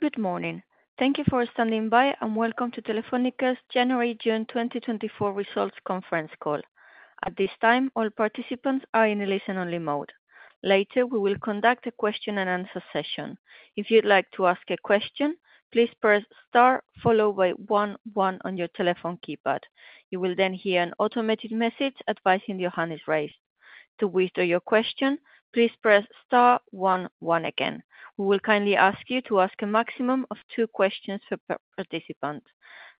Good morning. Thank you for standing by, and welcome to Telefónica's January-June 2024 results conference call. At this time, all participants are in a listen-only mode. Later, we will conduct a question-and-answer session. If you'd like to ask a question, please press star followed by one, one on your telephone keypad. You will then hear an automated message advising your hand is raised. To withdraw your question, please press star one, one again. We will kindly ask you to ask a maximum of two questions per participant.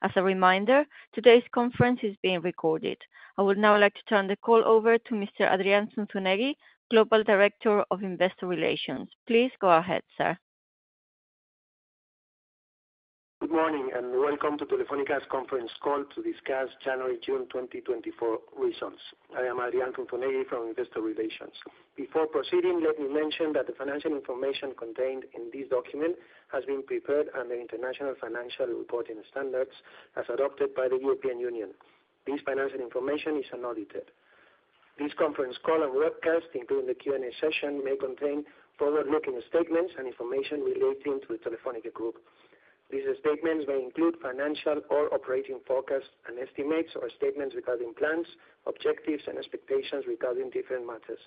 As a reminder, today's conference is being recorded. I would now like to turn the call over to Mr. Adrián Zunzunegui, Global Director of Investor Relations. Please go ahead, sir. Good morning, and welcome to Telefónica's conference call to discuss January-June 2024 results. I am Adrián Zunzunegui from Investor Relations. Before proceeding, let me mention that the financial information contained in this document has been prepared under International Financial Reporting Standards, as adopted by the European Union. This financial information is unaudited. This conference call and webcast, including the Q&A session, may contain forward-looking statements and information relating to the Telefónica group. These statements may include financial or operating forecasts and estimates or statements regarding plans, objectives, and expectations regarding different matters.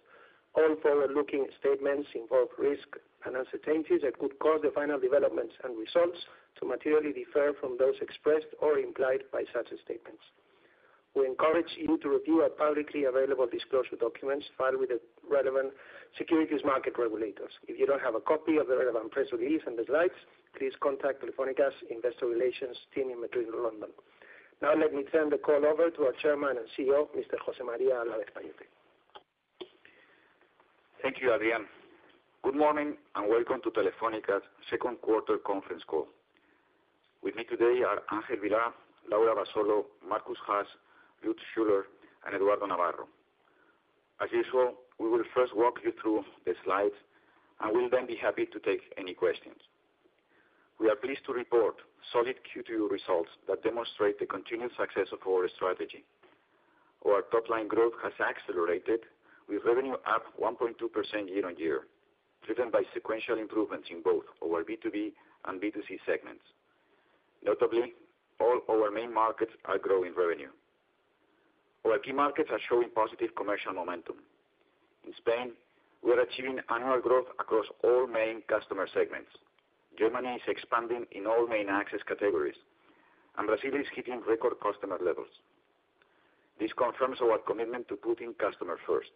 All forward-looking statements involve risks and uncertainties that could cause the final developments and results to materially differ from those expressed or implied by such statements. We encourage you to review our publicly available disclosure documents filed with the relevant securities market regulators. If you don't have a copy of the relevant press release and the Slides, please contact Telefónica's Investor Relations team in Madrid or London. Now, let me turn the call over to our Chairman and CEO, Mr. José María Álvarez-Pallette. Thank you, Adrián. Good morning, and welcome to Telefónica's second quarter conference call. With me today are Ángel Vilá, Laura Abasolo, Markus Haas, Lutz Schüler, and Eduardo Navarro. As usual, we will first walk you through the Slides, and we'll then be happy to take any questions. We are pleased to report solid Q2 results that demonstrate the continued success of our strategy, where our top line growth has accelerated, with revenue up 1.2% year-on-year, driven by sequential improvements in both our B2B and B2C segments. Notably, all our main markets are growing revenue. Our key markets are showing positive commercial momentum. In Spain, we are achieving annual growth across all main customer segments. Germany is expanding in all main access categories, and Brazil is hitting record customer levels. This confirms our commitment to putting customers first.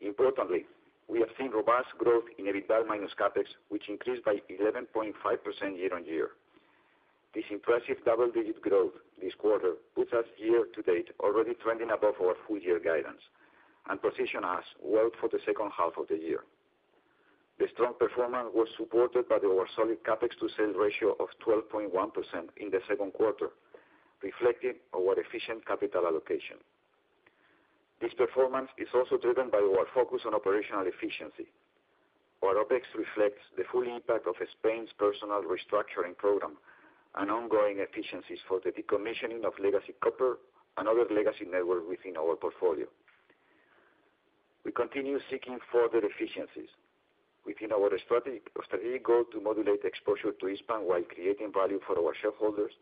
Importantly, we have seen robust growth in EBITDA minus CapEx, which increased by 11.5% year-on-year. This impressive double-digit growth this quarter puts us year-to-date, already trending above our full-year guidance and position us well for the second half of the year. The strong performance was supported by our solid CapEx to sales ratio of 12.1% in the second quarter, reflecting our efficient capital allocation. This performance is also driven by our focus on operational efficiency. Our OpEx reflects the full impact of Spain's personal restructuring program and ongoing efficiencies for the decommissioning of legacy copper and other legacy network within our portfolio. We continue seeking further efficiencies. Within our strategic, strategic goal to modulate exposure to Hispam while creating value for our shareholders,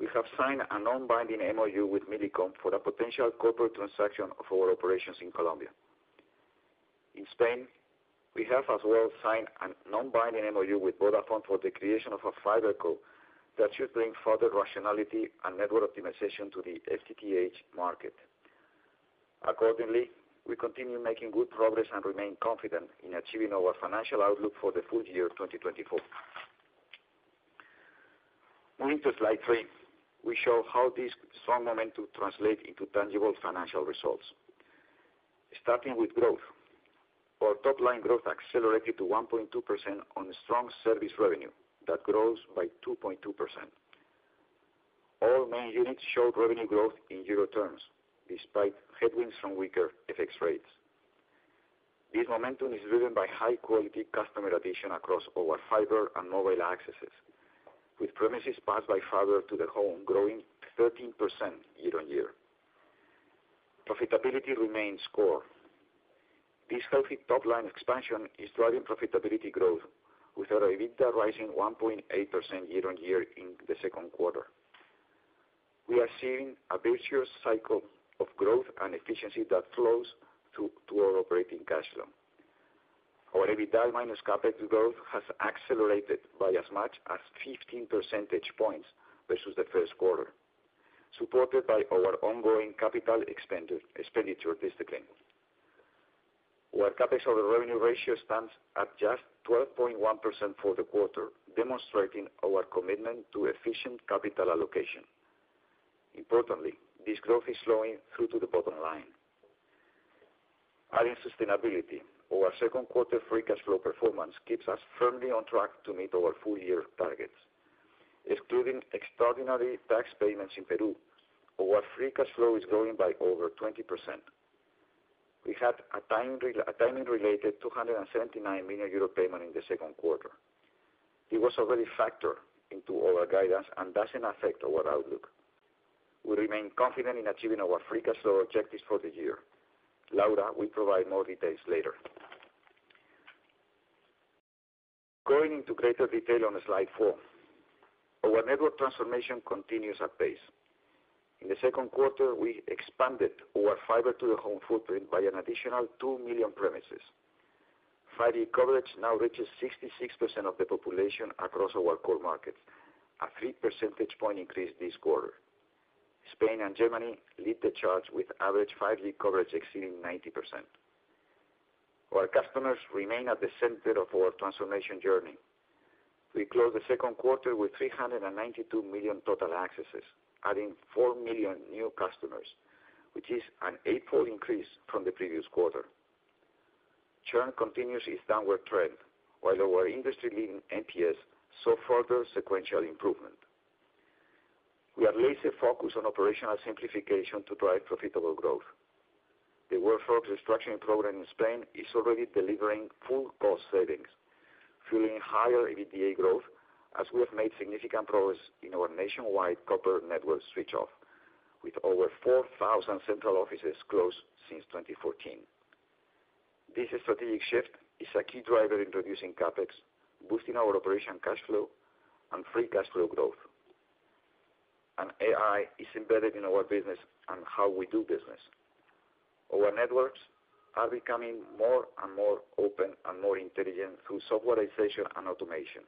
we have signed a non-binding MOU with Millicom for a potential corporate transaction of our operations in Colombia. In Spain, we have as well signed a non-binding MOU with Vodafone for the creation of a FiberCo, that should bring further rationality and network optimization to the FTTH market. Accordingly, we continue making good progress and remain confident in achieving our financial outlook for the full year 2024. Moving to Slide 3, we show how this strong momentum translate into tangible financial results. Starting with growth. Our top-line growth accelerated to 1.2% on strong service revenue that grows by 2.2%. All main units showed revenue growth in EUR terms, despite headwinds from weaker FX rates. This momentum is driven by high-quality customer addition across our fiber and mobile accesses, with premises passed by fiber to the home growing 13% year-on-year. Profitability remains core. This healthy top-line expansion is driving profitability growth, with our EBITDA rising 1.8% year-on-year in the second quarter. We are seeing a virtuous cycle of growth and efficiency that flows to our operating cash flow. Our EBITDA minus CapEx growth has accelerated by as much as 15 percentage points versus the first quarter, supported by our ongoing capital expenditure discipline. Our CapEx over revenue ratio stands at just 12.1% for the quarter, demonstrating our commitment to efficient capital allocation. Importantly, this growth is flowing through to the bottom line. Adding sustainability, our second quarter free cash flow performance keeps us firmly on track to meet our full-year targets. Excluding extraordinary tax payments in Peru, our free cash flow is growing by over 20%. We had a timing-related 279 million euro payment in the second quarter. It was already factored into our guidance and doesn't affect our outlook. We remain confident in achieving our free cash flow objectives for the year. Laura will provide more details later. Going into greater detail on Slide 4, our network transformation continues at pace. In the second quarter, we expanded our fiber to the home footprint by an additional 2 million premises. Fiber coverage now reaches 66% of the population across our core markets, a 3 percentage point increase this quarter. Spain and Germany lead the charge, with average fiber coverage exceeding 90%. Our customers remain at the center of our transformation journey. We closed the second quarter with 392 million total accesses, adding 4 million new customers, which is an eightfold increase from the previous quarter. Churn continues its downward trend, while our industry-leading NPS saw further sequential improvement. We are laser focused on operational simplification to drive profitable growth. The workforce restructuring program in Spain is already delivering full cost savings, fueling higher EBITDA growth, as we have made significant progress in our nationwide copper network switch off, with over 4,000 central offices closed since 2014. This strategic shift is a key driver in reducing CapEx, boosting our operating cash flow, and free cash flow growth. And AI is embedded in our business and how we do business. Our networks are becoming more and more open and more intelligent through softwarization and automation.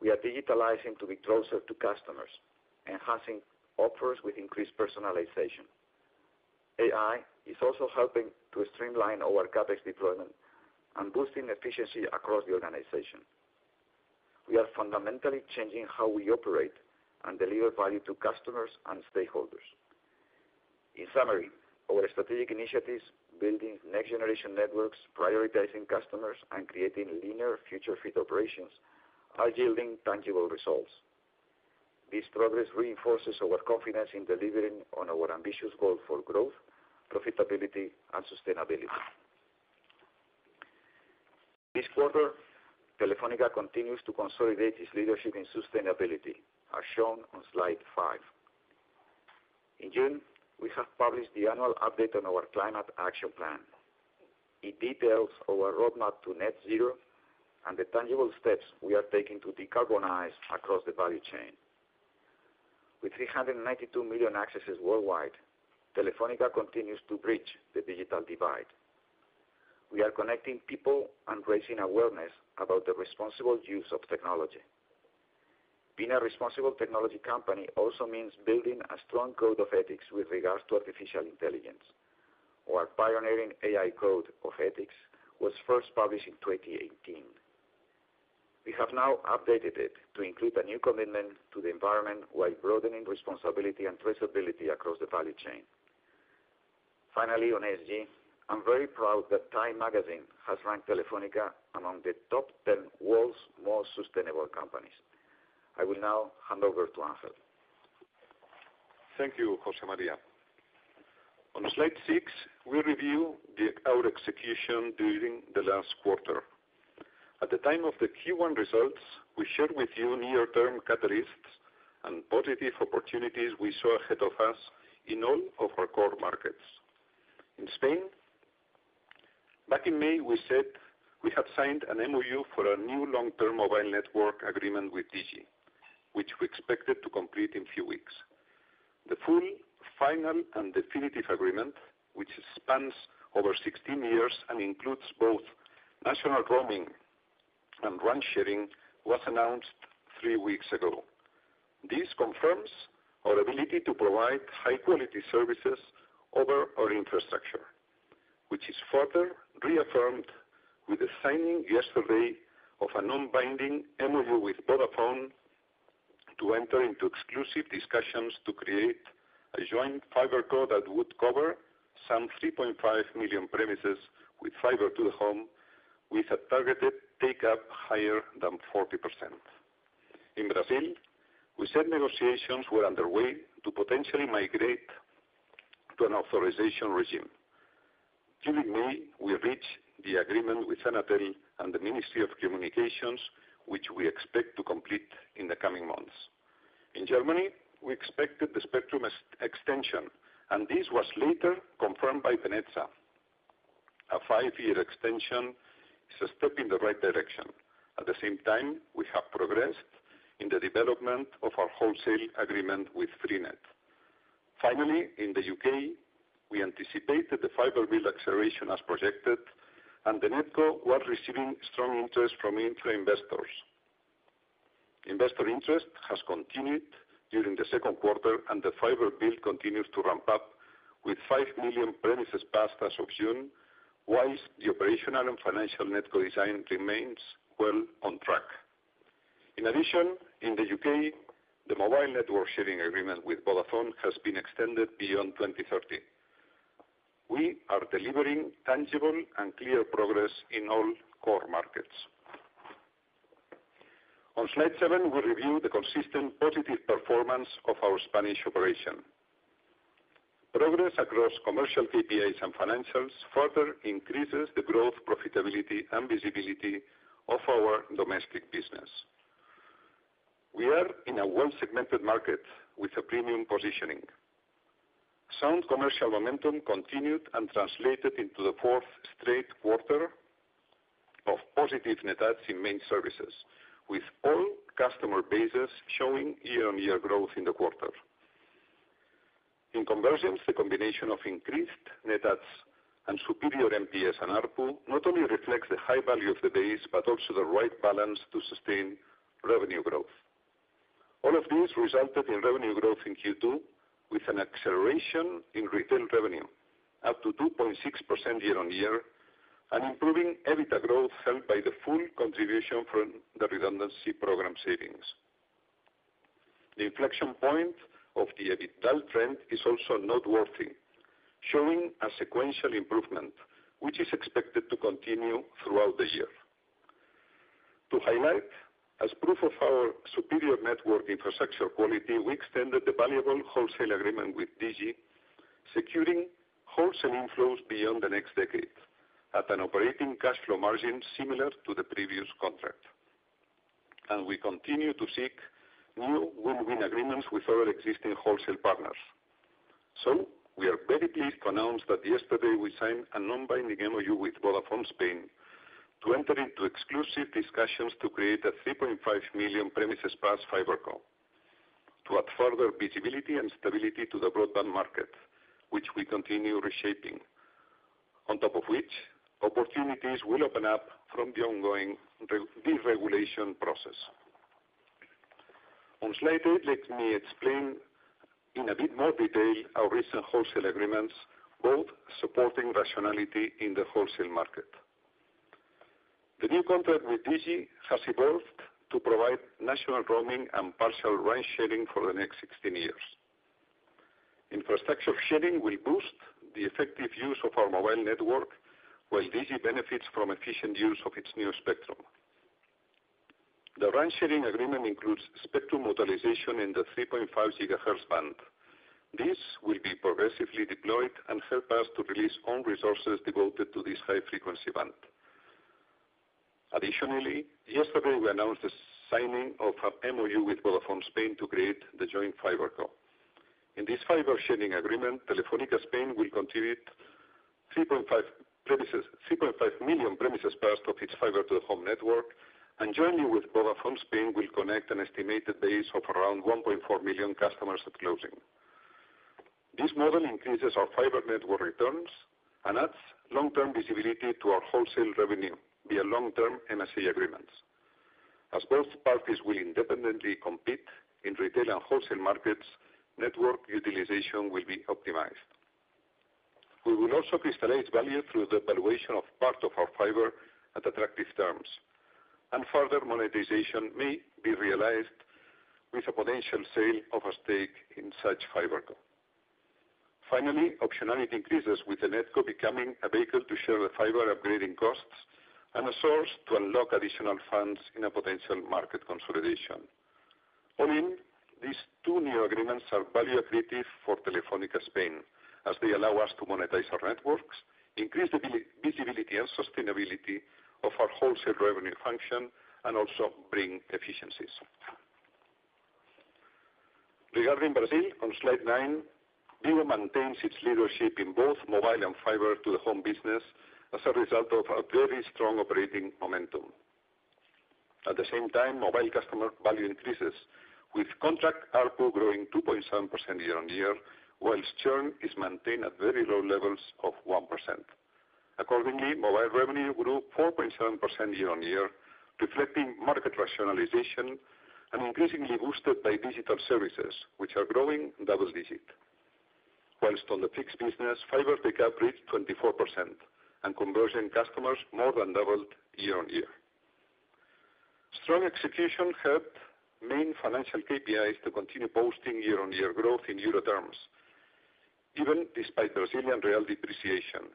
We are digitalizing to be closer to customers, enhancing offers with increased personalization. AI is also helping to streamline our CapEx deployment and boosting efficiency across the organization. We are fundamentally changing how we operate and deliver value to customers and stakeholders. In summary, our strategic initiatives, building next-generation networks, prioritizing customers, and creating linear future-fit operations are yielding tangible results. This progress reinforces our confidence in delivering on our ambitious goal for growth, profitability, and sustainability. This quarter, Telefónica continues to consolidate its leadership in sustainability, as shown on Slide 5. In June, we have published the annual update on our Climate Action Plan. It details our roadmap to net zero and the tangible steps we are taking to decarbonize across the value chain. With 392 million accesses worldwide, Telefónica continues to bridge the digital divide. We are connecting people and raising awareness about the responsible use of technology. Being a responsible technology company also means building a strong code of ethics with regards to artificial intelligence. Our pioneering AI code of ethics was first published in 2018. We have now updated it to include a new commitment to the environment while broadening responsibility and traceability across the value chain. Finally, on ESG, I'm very proud that TIME magazine has ranked Telefónica among the top ten world's most sustainable companies. I will now hand over to Ángel. Thank you, José María. On Slide 6, we review the, our execution during the last quarter. At the time of the Q1 results, we shared with you near-term catalysts and positive opportunities we saw ahead of us in all of our core markets. In Spain, back in May, we said we had signed an MOU for a new long-term mobile network agreement with Digi, which we expected to complete in few weeks. The full, final, and definitive agreement, which spans over 16 years and includes both national roaming and branch sharing, was announced three weeks ago. This confirms our ability to provide high-quality services over our infrastructure, which is further reaffirmed with the signing yesterday of a non-binding MOU with Vodafone to enter into exclusive discussions to create a joint FiberCo that would cover some 3.5 million premises with fiber to the home, with a targeted take-up higher than 40%. In Brazil, we said negotiations were underway to potentially migrate to an authorization regime. During May, we reached the agreement with Anatel and the Ministry of Communications, which we expect to complete in the coming months. In Germany, we expected the spectrum ex-extension, and this was later confirmed by BNetzA. A 5-year extension is a step in the right direction. At the same time, we have progressed in the development of our wholesale agreement with Freenet. Finally, in the U.K., we anticipated the fiber build acceleration as projected, and the NetCo was receiving strong interest from infra investors. Investor interest has continued during the second quarter, and the fiber build continues to ramp up, with 5 million premises passed as of June, while the operational and financial NetCo design remains well on track. In addition, in the U.K., the mobile network sharing agreement with Vodafone has been extended beyond 2030. We are delivering tangible and clear progress in all core markets. On Slide 7, we review the consistent positive performance of our Spanish operation. Progress across commercial PPAs and financials further increases the growth, profitability, and visibility of our domestic business. We are in a well-segmented market with a premium positioning. Sound commercial momentum continued and translated into the fourth straight quarter of positive net adds in main services, with all customer bases showing year-on-year growth in the quarter. In conversions, the combination of increased net adds and superior NPS and ARPU not only reflects the high value of the base, but also the right balance to sustain revenue growth. All of this resulted in revenue growth in Q2, with an acceleration in retail revenue up to 2.6% year-on-year, and improving EBITDA growth, helped by the full contribution from the redundancy program savings. The inflection point of the EBITDA trend is also noteworthy, showing a sequential improvement, which is expected to continue throughout the year. To highlight, as proof of our superior network infrastructure quality, we extended the valuable wholesale agreement with Digi, securing wholesale inflows beyond the next decade at an operating cash flow margin similar to the previous contract. We continue to seek new win-win agreements with our existing wholesale partners. We are very pleased to announce that yesterday, we signed a non-binding MOU with Vodafone Spain to enter into exclusive discussions to create a 3.5 million premises passed FiberCo, to add further visibility and stability to the broadband market, which we continue reshaping, on top of which opportunities will open up from the ongoing retail deregulation process. On Slide 8, let me explain in a bit more detail our recent wholesale agreements, both supporting rationality in the wholesale market. The new contract with Digi has evolved to provide national roaming and partial range sharing for the next 16 years. Infrastructure sharing will boost the effective use of our mobile network, while Digi benefits from efficient use of its new spectrum. The range sharing agreement includes spectrum mobilization in the 3.5 GHz band. This will be progressively deployed and help us to release own resources devoted to this high-frequency band. Additionally, yesterday, we announced the signing of an MOU with Vodafone Spain to create the joint FiberCo. In this fiber-sharing agreement, Telefónica Spain will contribute 3.5 premises, 3.5 million premises passed of its fiber to the home network, and jointly with Vodafone Spain, will connect an estimated base of around 1.4 million customers at closing. This model increases our fiber network returns and adds long-term visibility to our wholesale revenue via long-term MSA agreements. As both parties will independently compete in retail and wholesale markets, network utilization will be optimized. We will also crystallize value through the valuation of part of our fiber at attractive terms, and further monetization may be realized with a potential sale of a stake in such FiberCo. Finally, optionality increases, with the NetCo becoming a vehicle to share the fiber upgrading costs and a source to unlock additional funds in a potential market consolidation. All in, these two new agreements are value accretive for Telefónica Spain, as they allow us to monetize our networks, increase the visibility and sustainability of our wholesale revenue function, and also bring efficiencies. Regarding Brazil, on Slide 9, Vivo maintains its leadership in both mobile and fiber-to-the-home business as a result of a very strong operating momentum. At the same time, mobile customer value increases, with contract ARPU growing 2.7% year-on-year, while churn is maintained at very low levels of 1%. Accordingly, mobile revenue grew 4.7% year-on-year, reflecting market rationalization and increasingly boosted by digital services, which are growing double-digit. While on the fixed business, fiber pickup reached 24%, and conversion customers more than doubled year-on-year. Strong execution helped main financial KPIs to continue posting year-on-year growth in Euro terms, even despite Brazilian real depreciation.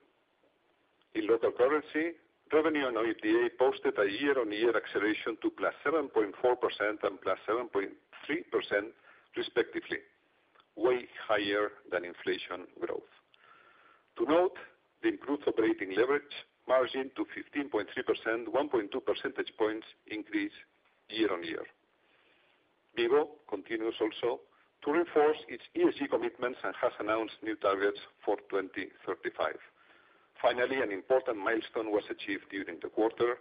In local currency, revenue and OIBDA posted a year-on-year acceleration to +7.4% and +7.3% respectively, way higher than inflation growth. To note, the improved operating leverage margin to 15.3%, 1.2 percentage points increase year-over-year. Vivo continues also to reinforce its ESG commitments and has announced new targets for 2035. Finally, an important milestone was achieved during the quarter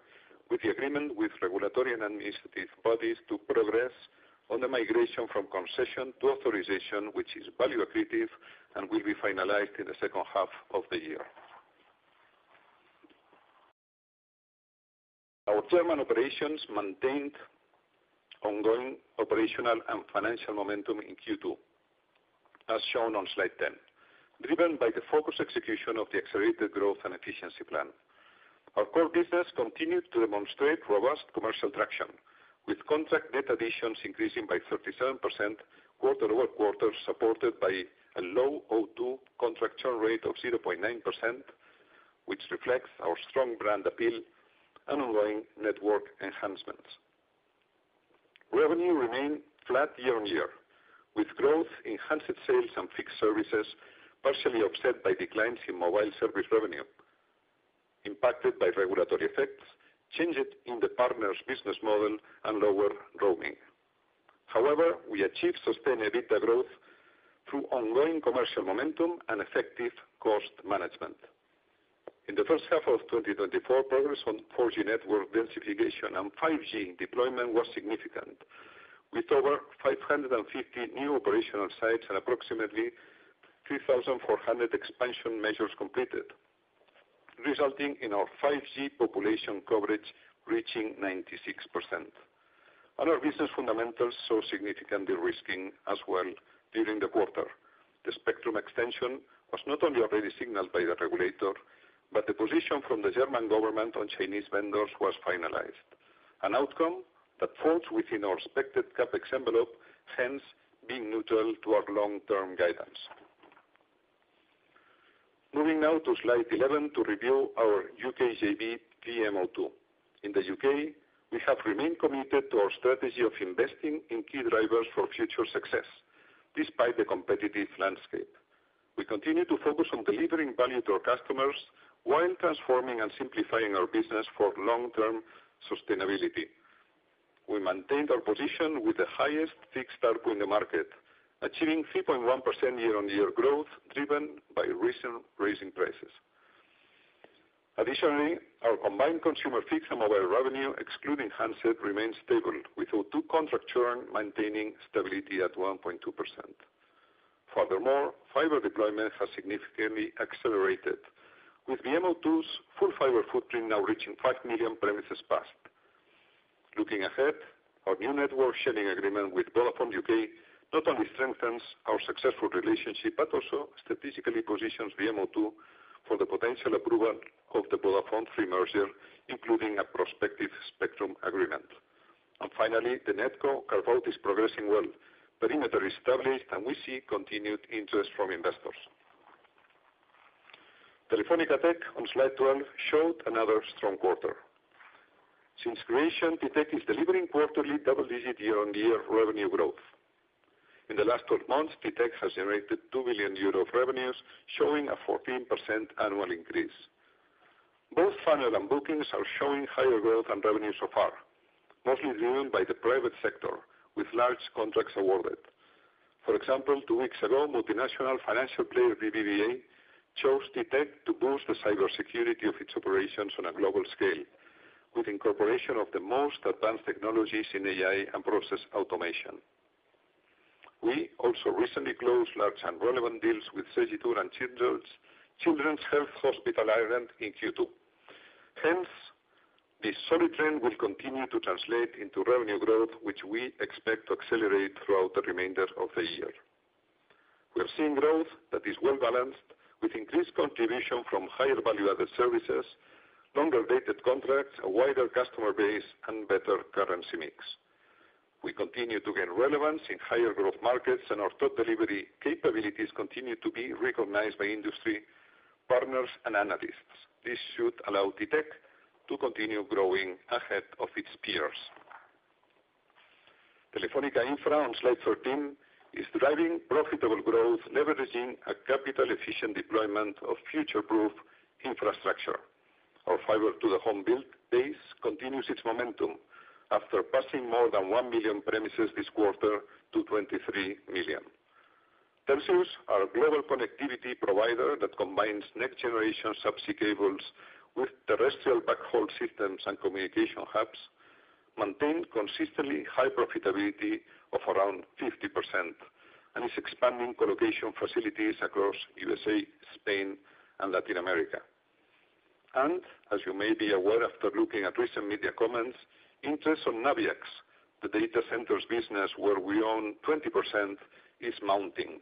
with the agreement with regulatory and administrative bodies to progress on the migration from concession to authorization, which is value accretive and will be finalized in the second half of the year. Our German operations maintained ongoing operational and financial momentum in Q2, as shown on Slide 10, driven by the focused execution of the accelerated growth and efficiency plan. Our core business continued to demonstrate robust commercial traction, with contract net additions increasing by 37% quarter-over-quarter, supported by a low O2 contract churn rate of 0.9%, which reflects our strong brand appeal and ongoing network enhancements.... Revenue remained flat year-on-year, with growth in handset sales and fixed services partially offset by declines in mobile service revenue, impacted by regulatory effects, changes in the partners' business model, and lower roaming. However, we achieved sustained EBITDA growth through ongoing commercial momentum and effective cost management. In the first half of 2024, progress on 4G network densification and 5G deployment was significant, with over 550 new operational sites and approximately 3,400 expansion measures completed, resulting in our 5G population coverage reaching 96%. Other business fundamentals saw significant de-risking as well during the quarter. The spectrum extension was not only already signaled by the regulator, but the position from the German government on Chinese vendors was finalized, an outcome that falls within our expected CapEx envelope, hence being neutral to our long-term guidance. Moving now to Slide 11 to review our U.K. JV, VMO2. In the U.K., we have remained committed to our strategy of investing in key drivers for future success, despite the competitive landscape. We continue to focus on delivering value to our customers while transforming and simplifying our business for long-term sustainability. We maintained our position with the highest fixed ARPU in the market, achieving 3.1% year-on-year growth, driven by recent raising prices. Additionally, our combined consumer fixed and mobile revenue, excluding handset, remains stable, with O2 contract churn maintaining stability at 1.2%. Furthermore, fiber deployment has significantly accelerated, with VMO2's full fiber footprint now reaching 5 million premises passed. Looking ahead, our new network sharing agreement with Vodafone U.K. not only strengthens our successful relationship, but also strategically positions VMO2 for the potential approval of the Vodafone-Three merger, including a prospective spectrum agreement. Finally, the NetCo carve-out is progressing well. Perimeter is established, and we see continued interest from investors. Telefónica Tech, on Slide 12, showed another strong quarter. Since creation, T-Tech is delivering quarterly double-digit year-on-year revenue growth. In the last 12 months, T-Tech has generated 2 billion euro of revenues, showing a 14% annual increase. Both funnel and bookings are showing higher growth and revenue so far, mostly driven by the private sector, with large contracts awarded. For example, two weeks ago, multinational financial player BBVA chose T-Tech to boost the cybersecurity of its operations on a global scale, with incorporation of the most advanced technologies in AI and process automation. We also recently closed large and relevant deals with SEGITTUR and Children's Health Ireland in Q2. Hence, this solid trend will continue to translate into revenue growth, which we expect to accelerate throughout the remainder of the year. We are seeing growth that is well-balanced, with increased contribution from higher value-added services, longer-dated contracts, a wider customer base, and better currency mix. We continue to gain relevance in higher growth markets, and our top delivery capabilities continue to be recognized by industry partners and analysts. This should allow T-Tech to continue growing ahead of its peers. Telefónica Infra, on Slide 13, is driving profitable growth, leveraging a capital-efficient deployment of future-proof infrastructure. Our fiber to the home build base continues its momentum after passing more than 1 million premises this quarter to 23 million. Telxius, our global connectivity provider that combines next-generation subsea cables with terrestrial backhaul systems and communication hubs, maintain consistently high profitability of around 50% and is expanding colocation facilities across USA, Spain, and Latin America. As you may be aware, after looking at recent media comments, interest on Nabiax, the data centers business where we own 20%, is mounting.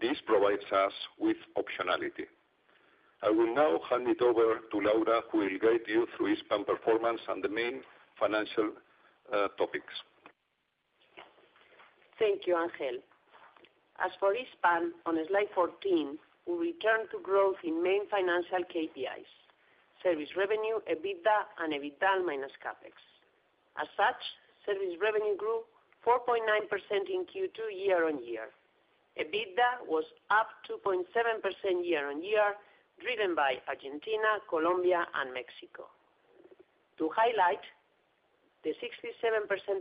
This provides us with optionality. I will now hand it over to Laura, who will guide you through Hispam performance and the main financial topics. Thank you, Ángel. As for Hispam, on Slide 14, we return to growth in main financial KPIs: service revenue, EBITDA, and EBITDA minus CapEx. As such, service revenue grew 4.9% in Q2 year-on-year. EBITDA was up 2.7% year-on-year, driven by Argentina, Colombia, and Mexico. To highlight the 67%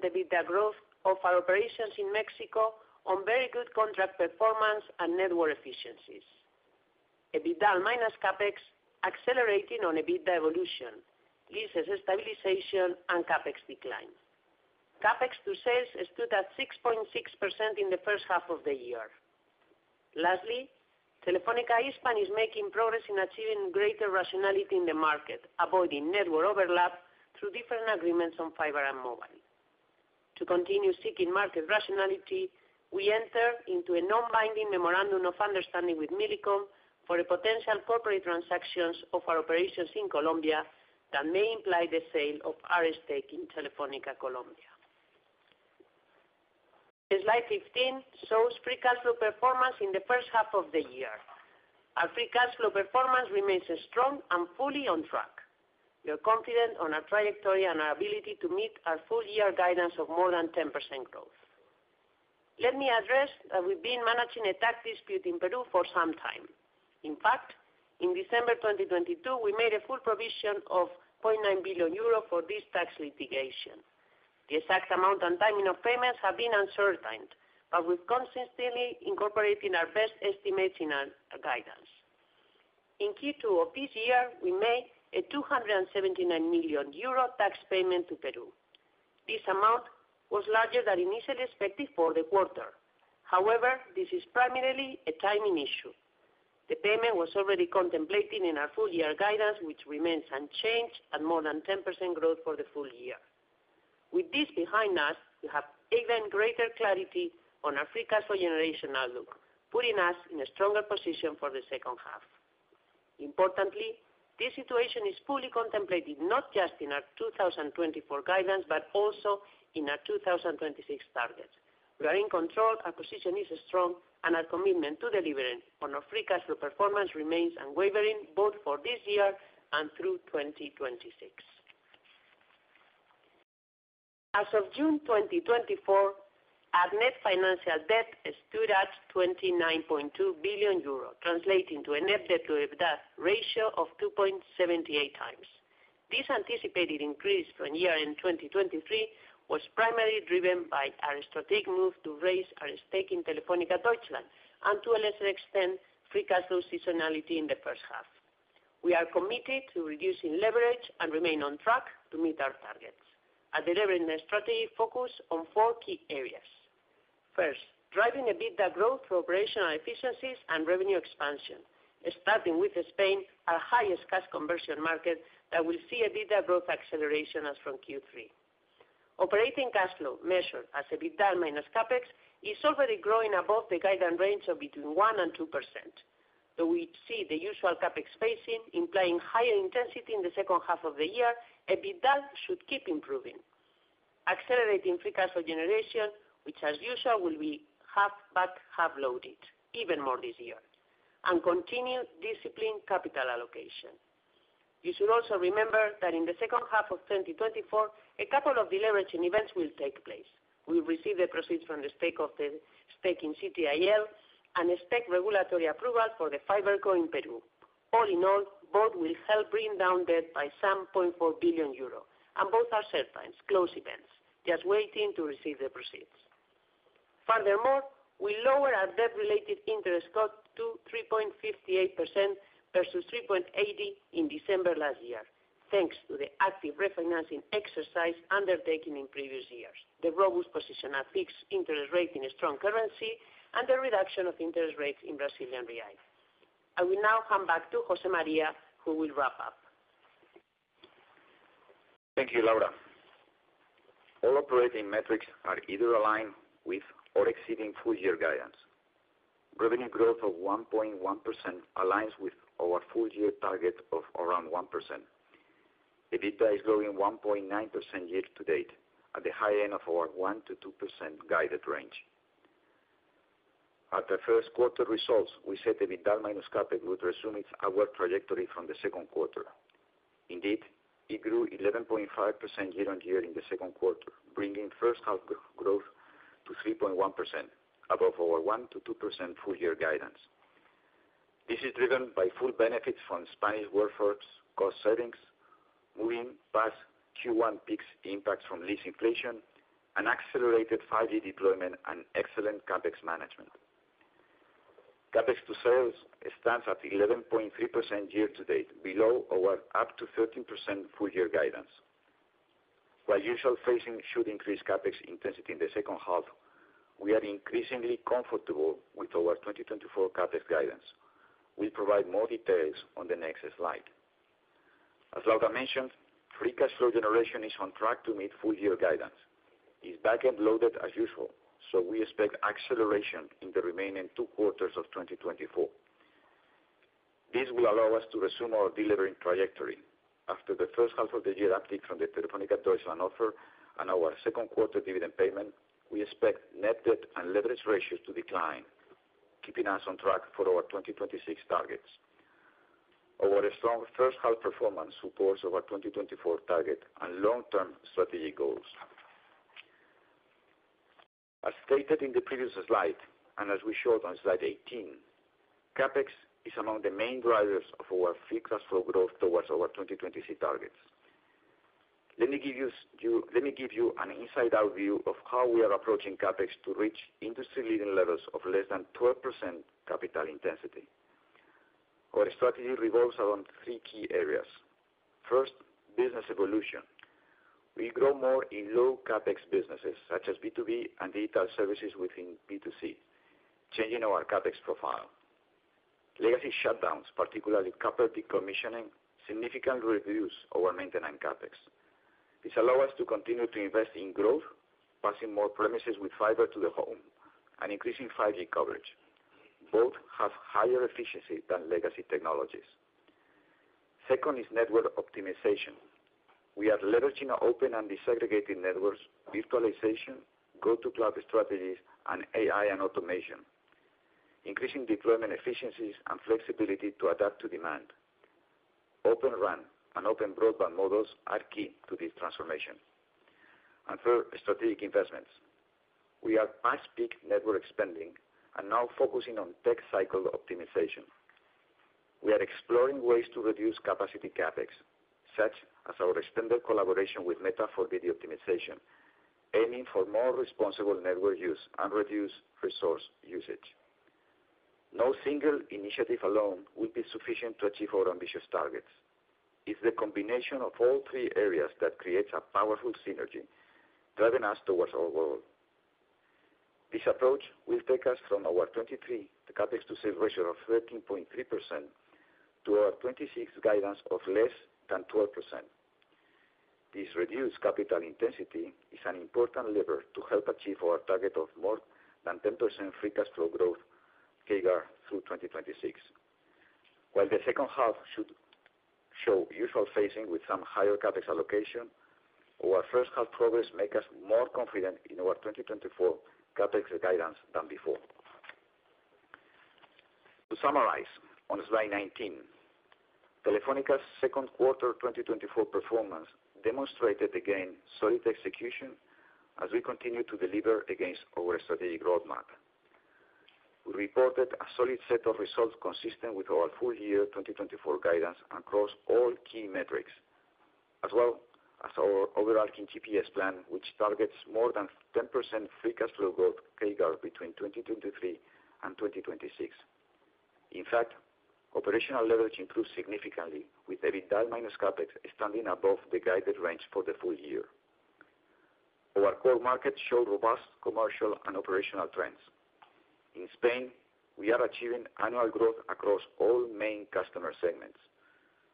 EBITDA growth of our operations in Mexico on very good contract performance and network efficiencies. EBITDA minus CapEx accelerating on EBITDA evolution, leases stabilization, and CapEx decline. CapEx to sales stood at 6.6% in the first half of the year. Lastly, Telefónica Hispam is making progress in achieving greater rationality in the market, avoiding network overlap through different agreements on fiber and mobile. To continue seeking market rationality, we enter into a non-binding memorandum of understanding with Millicom for the potential corporate transactions of our operations in Colombia that may imply the sale of our stake in Telefónica Colombia. The Slide 15 shows free cash flow performance in the first half of the year. Our free cash flow performance remains strong and fully on track. We are confident on our trajectory and our ability to meet our full year guidance of more than 10% growth. Let me address that we've been managing a tax dispute in Peru for some time. In fact, in December 2022, we made a full provision of 0.9 billion euro for this tax litigation. The exact amount and timing of payments have been uncertain, but we've consistently incorporated our best estimates in our guidance. In Q2 of this year, we made a 279 million euro tax payment to Peru. This amount was larger than initially expected for the quarter. However, this is primarily a timing issue. The payment was already contemplated in our full year guidance, which remains unchanged at more than 10% growth for the full year. With this behind us, we have even greater clarity on our free cash flow generation outlook, putting us in a stronger position for the second half. Importantly, this situation is fully contemplated, not just in our 2024 guidance, but also in our 2026 targets. We are in control, our position is strong, and our commitment to delivering on our free cash flow performance remains unwavering, both for this year and through 2026. As of June 2024, our net financial debt stood at 29.2 billion euro, translating to a net debt to EBITDA ratio of 2.78x. This anticipated increase from year-end 2023 was primarily driven by our strategic move to raise our stake in Telefónica Deutschland, and to a lesser extent, free cash flow seasonality in the first half. We are committed to reducing leverage and remain on track to meet our targets. Our delivering strategy focus on 4 key areas. First, driving EBITDA growth through operational efficiencies and revenue expansion, starting with Spain, our highest cash conversion market, that will see EBITDA growth acceleration as from Q3. Operating cash flow, measured as EBITDA minus CapEx, is already growing above the guidance range of between 1% and 2%. Though we see the usual CapEx spacing, implying higher intensity in the second half of the year, EBITDA should keep improving, accelerating free cash flow generation, which, as usual, will be half but half loaded, even more this year, and continue disciplined capital allocation. You should also remember that in the second half of 2024, a couple of deleveraging events will take place. We will receive the proceeds from the stake of the stake in CTIL, and expect regulatory approval for the FiberCo in Peru. All in all, both will help bring down debt by some 0.4 billion euros, and both are certain, close events, just waiting to receive the proceeds. Furthermore, we lowered our debt-related interest cost to 3.58% versus 3.80% in December last year, thanks to the active refinancing exercise undertaken in previous years, the robust position at fixed interest rate in a strong currency, and the reduction of interest rates in Brazilian real. I will now come back to José María, who will wrap up. Thank you, Laura. All operating metrics are either aligned with or exceeding full year guidance. Revenue growth of 1.1% aligns with our full year target of around 1%. EBITDA is growing 1.9% year to date, at the high end of our 1%-2% guided range. At the first quarter results, we said EBITDA minus CapEx would resume its upward trajectory from the second quarter. Indeed, it grew 11.5% year on year in the second quarter, bringing first half growth to 3.1%, above our 1%-2% full year guidance. This is driven by full benefits from Spanish workforce cost savings, moving past Q1 peaks impact from lease inflation, and accelerated 5G deployment, and excellent CapEx management. CapEx to sales stands at 11.3% year to date, below our up to 13% full year guidance. While usual phasing should increase CapEx intensity in the second half, we are increasingly comfortable with our 2024 CapEx guidance. We'll provide more details on the next Slide. As Laura mentioned, free cash flow generation is on track to meet full year guidance. It's back-end loaded as usual, so we expect acceleration in the remaining two quarters of 2024. This will allow us to resume our delivering trajectory. After the first half of the year uptick from the Telefónica Deutschland offer and our second quarter dividend payment, we expect net debt and leverage ratios to decline, keeping us on track for our 2026 targets. Our strong first half performance supports our 2024 target and long-term strategic goals. As stated in the previous Slide, and as we showed on Slide 18, CapEx is among the main drivers of our free cash flow growth towards our 2026 targets. Let me give you an inside-out view of how we are approaching CapEx to reach industry-leading levels of less than 12% capital intensity. Our strategy revolves around three key areas. First, business evolution. We grow more in low CapEx businesses, such as B2B and digital services within B2C, changing our CapEx profile. Legacy shutdowns, particularly copper decommissioning, significantly reduce our maintenance CapEx. This allow us to continue to invest in growth, passing more premises with fiber to the home and increasing 5G coverage. Both have higher efficiency than legacy technologies.... Second is network optimization. We are leveraging open and disaggregated networks, virtualization, go-to-cloud strategies, and AI and automation, increasing deployment efficiencies and flexibility to adapt to demand. Open RAN and Open Broadband models are key to this transformation. And third, strategic investments. We are past peak network spending and now focusing on tech cycle optimization. We are exploring ways to reduce capacity CapEx, such as our extended collaboration with Meta for video optimization, aiming for more responsible network use and reduced resource usage. No single initiative alone will be sufficient to achieve our ambitious targets. It's the combination of all three areas that creates a powerful synergy, driving us towards our goal. This approach will take us from our 2023, the CapEx to sales ratio of 13.3% to our 2026 guidance of less than 12%. This reduced capital intensity is an important lever to help achieve our target of more than 10% free cash flow growth CAGR through 2026. While the second half should show usual phasing with some higher CapEx allocation, our first half progress make us more confident in our 2024 CapEx guidance than before. To summarize, on Slide 19, Telefónica's second quarter 2024 performance demonstrated again solid execution as we continue to deliver against our strategic roadmap. We reported a solid set of results consistent with our full year 2024 guidance across all key metrics, as well as our overarching GPS plan, which targets more than 10% free cash flow growth CAGR between 2023 and 2026. In fact, operational leverage improved significantly, with EBITDA minus CapEx standing above the guided range for the full year. Our core markets showed robust commercial and operational trends. In Spain, we are achieving annual growth across all main customer segments.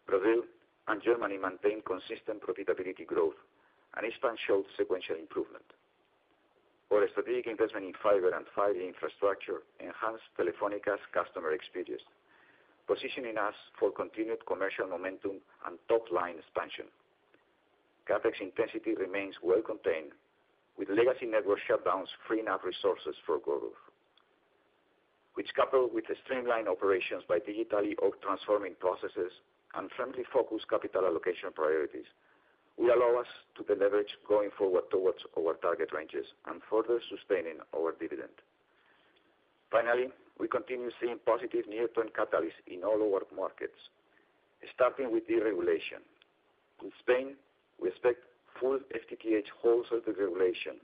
Brazil and Germany maintain consistent profitability growth, and Spain showed sequential improvement. Our strategic investment in fiber and 5G infrastructure enhanced Telefónica's customer experience, positioning us for continued commercial momentum and top-line expansion. CapEx intensity remains well contained, with legacy network shutdowns freeing up resources for growth, which, coupled with the streamlined operations by digitally transforming processes and firmly focused capital allocation priorities, will allow us to deleverage going forward towards our target ranges and further sustaining our dividend. Finally, we continue seeing positive near-term catalysts in all our markets, starting with deregulation. In Spain, we expect full FTTH wholesale deregulation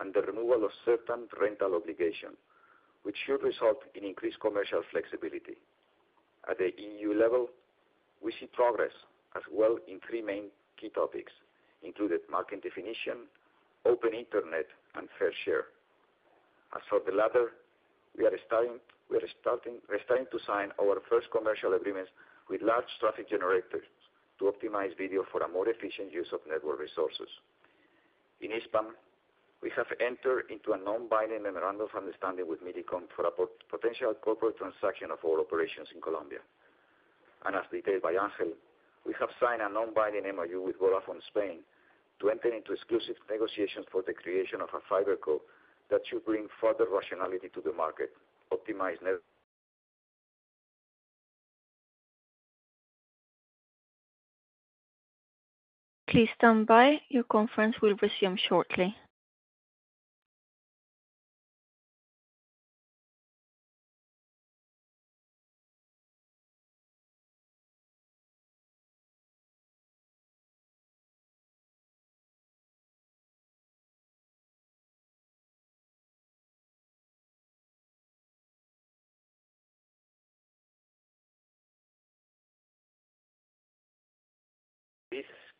and the removal of certain rental obligation, which should result in increased commercial flexibility. At the EU level, we see progress as well in three main key topics, including market definition, open internet, and fair share. As for the latter, we are starting to sign our first commercial agreements with large traffic generators to optimize video for a more efficient use of network resources. In Spain, we have entered into a non-binding memorandum of understanding with Millicom for a potential corporate transaction of all operations in Colombia. And as detailed by Ángel, we have signed a non-binding MOU with Vodafone Spain to enter into exclusive negotiations for the creation of a FiberCo that should bring further rationality to the market, optimize net- Please stand by. Your conference will resume shortly.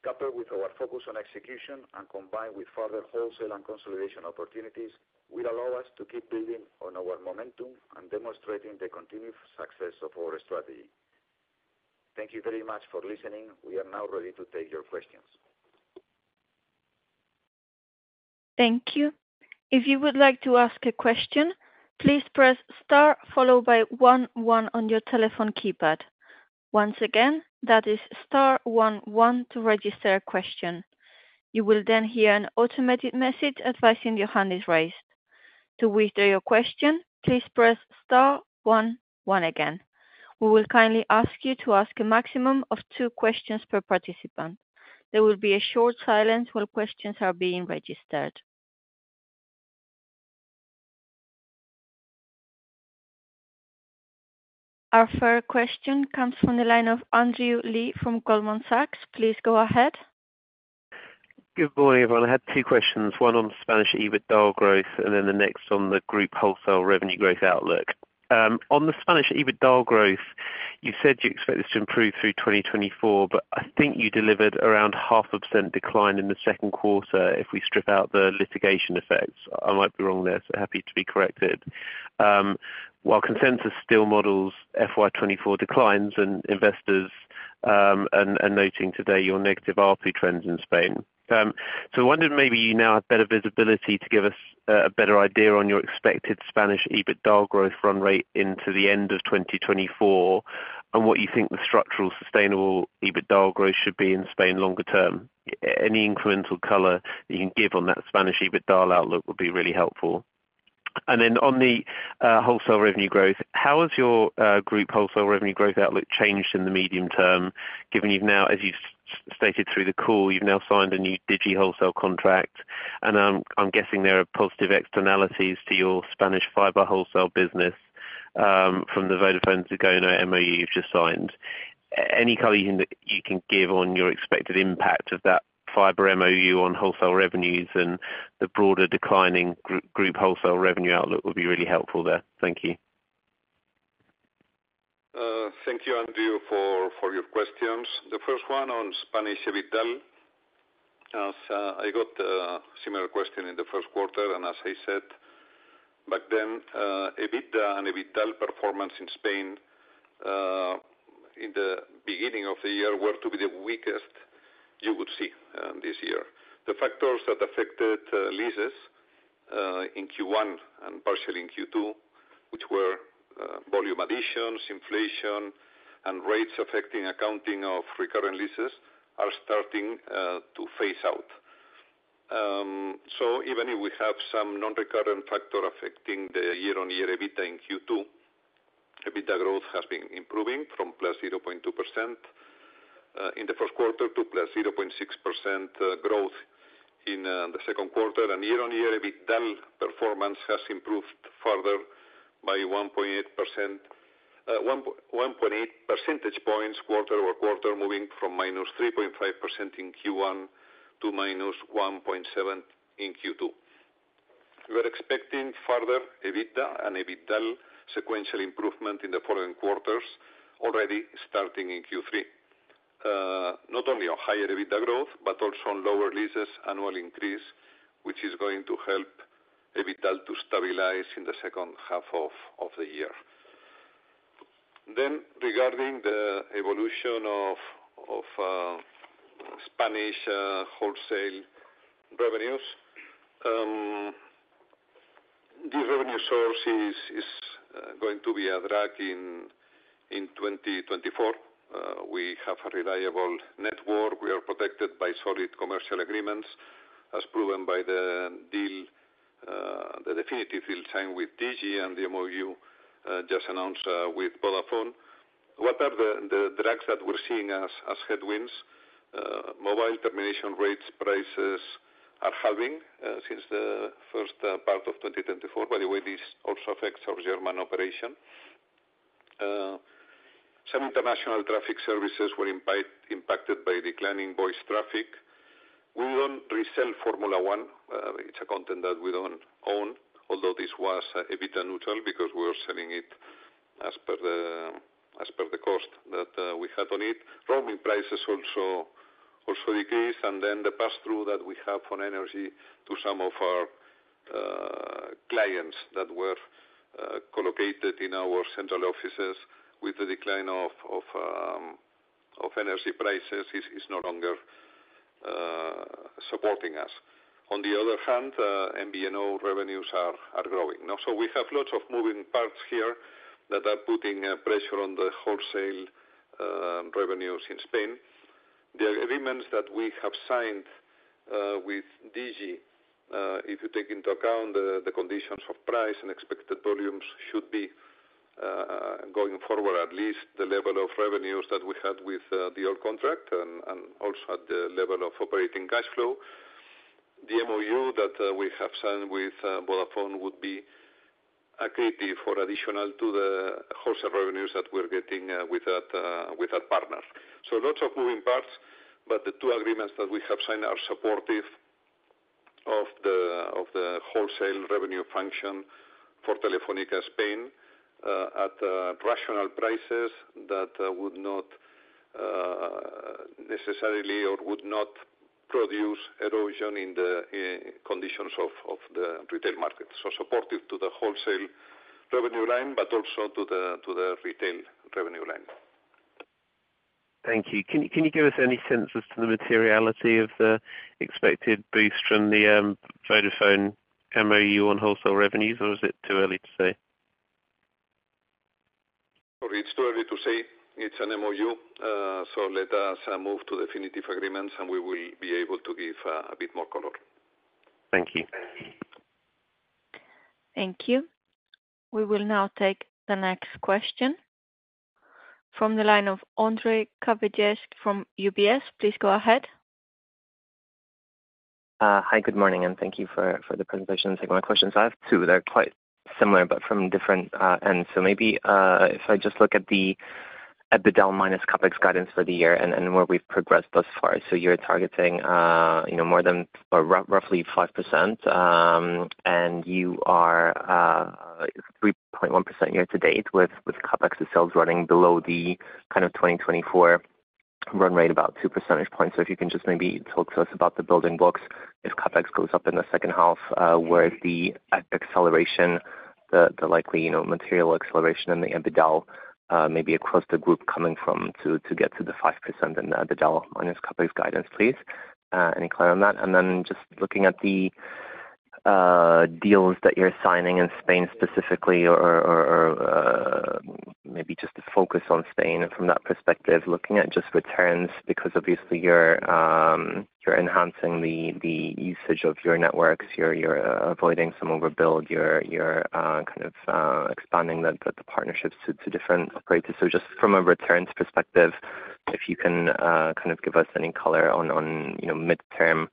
This, coupled with our focus on execution and combined with further wholesale and consolidation opportunities, will allow us to keep building on our momentum and demonstrating the continued success of our strategy. Thank you very much for listening. We are now ready to take your questions. Thank you. If you would like to ask a question, please press star followed by one, one on your telephone keypad. Once again, that is star one, one to register a question. You will then hear an automated message advising your hand is raised. To withdraw your question, please press star one, one again. We will kindly ask you to ask a maximum of two questions per participant. There will be a short silence while questions are being registered. Our first question comes from the line of Andrew Lee from Goldman Sachs. Please go ahead. Good morning, everyone. I had two questions, one on Spanish EBITDA growth, and then the next on the group wholesale revenue growth outlook. On the Spanish EBITDA growth, you said you expect this to improve through 2024, but I think you delivered around 0.5% decline in the second quarter if we strip out the litigation effects. I might be wrong there, so happy to be corrected. While consensus still models FY 2024 declines and investors noting today your negative RP trends in Spain. So I wondered maybe you now have better visibility to give us a better idea on your expected Spanish EBITDA growth RAN rate into the end of 2024, and what you think the structural sustainable EBITDA growth should be in Spain longer term. Any incremental color that you can give on that Spanish EBITDA outlook would be really helpful. And then on the wholesale revenue growth, how has your group wholesale revenue growth outlook changed in the medium term, given you've now, as you've stated through the call, you've now signed a new Digi wholesale contract, and I'm guessing there are positive externalities to your Spanish fiber wholesale business from the Vodafone to FiberCo MOU you've just signed. Any color you can give on your expected impact of that fiber MOU on wholesale revenues and the broader declining group wholesale revenue outlook would be really helpful there. Thank you. Thank you, Andrew, for your questions. The first one on Spanish EBITDA, as I got a similar question in the first quarter, and as I said, back then, EBITDA and EBITDA performance in Spain, in the beginning of the year were to be the weakest you would see, this year. The factors that affected leases in Q1 and partially in Q2, which were volume additions, inflation, and rates affecting accounting of recurrent leases are starting to phase out. So even if we have some non-recurrent factor affecting the year-on-year EBITDA in Q2, EBITDA growth has been improving from +0.2% in the first quarter to +0.6% growth in the second quarter. Year-on-year, EBITDA performance has improved further by 1.8%- one point eight percentage points quarter-over-quarter, moving from -3.5% in Q1 to -1.7% in Q2. We're expecting further EBITDA sequential improvement in the following quarters, already starting in Q3. Not only on higher EBITDA growth, but also on lower leases annual increase, which is going to help EBITDA to stabilize in the second half of the year. Regarding the evolution of Spanish wholesale revenues, the revenue source is going to be a drag in 2024. We have a reliable network. We are protected by solid commercial agreements, as proven by the definitive deal signed with Digi and the MOU just announced with Vodafone. What are the drags that we're seeing as headwinds? Mobile termination rates prices are halving since the first part of 2024. By the way, this also affects our German operation. Some international traffic services were impacted by declining voice traffic. We don't resell Formula One. It's a content that we don't own, although this was EBITDA neutral because we were selling it as per the cost that we had on it. Roaming prices also decreased, and then the pass-through that we have on energy to some of our clients that were co-located in our central offices with the decline of energy prices is no longer supporting us. On the other hand, MVNO revenues are growing. Now, so we have lots of moving parts here that are putting pressure on the wholesale revenues in Spain. The agreements that we have signed with Digi, if you take into account the conditions of price and expected volumes, should be going forward, at least the level of revenues that we had with the old contract and also at the level of operating cash flow. The MOU that we have signed with Vodafone would be accretive or additional to the wholesale revenues that we're getting with that partner. So lots of moving parts, but the two agreements that we have signed are supportive of the wholesale revenue function for Telefónica Spain, at rational prices that would not necessarily or would not produce erosion in the conditions of the retail market. So supportive to the wholesale revenue line, but also to the retail revenue line. Thank you. Can you give us any sense as to the materiality of the expected boost from the Vodafone MOU on wholesale revenues, or is it too early to say? It's too early to say. It's an MOU, so let us move to definitive agreements, and we will be able to give a bit more color. Thank you. Thank you. We will now take the next question from the line of Ondrej Cabejsek from UBS. Please go ahead. Hi, good morning, and thank you for the presentation. Take my questions. I have two, they're quite similar, but from different ends. So maybe if I just look at the down minus CapEx guidance for the year and where we've progressed thus far. So you're targeting, you know, more than or roughly 5%, and you are 3.1% year to date with CapEx itself running below the kind of 2024 RAN rate, about two percentage points. So if you can just maybe talk to us about the building books as CapEx goes up in the second half, where the acceleration, the likely, you know, material acceleration in the EBITDA, maybe across the group coming from to get to the 5% in the EBITDA on this company's guidance, please. Any clear on that? And then just looking at the deals that you're signing in Spain specifically, or maybe just the focus on Spain and from that perspective, looking at just returns, because obviously you're enhancing the usage of your networks. You're kind of expanding the partnerships to different operators. So just from a returns perspective, if you can kind of give us any color on, you know, midterm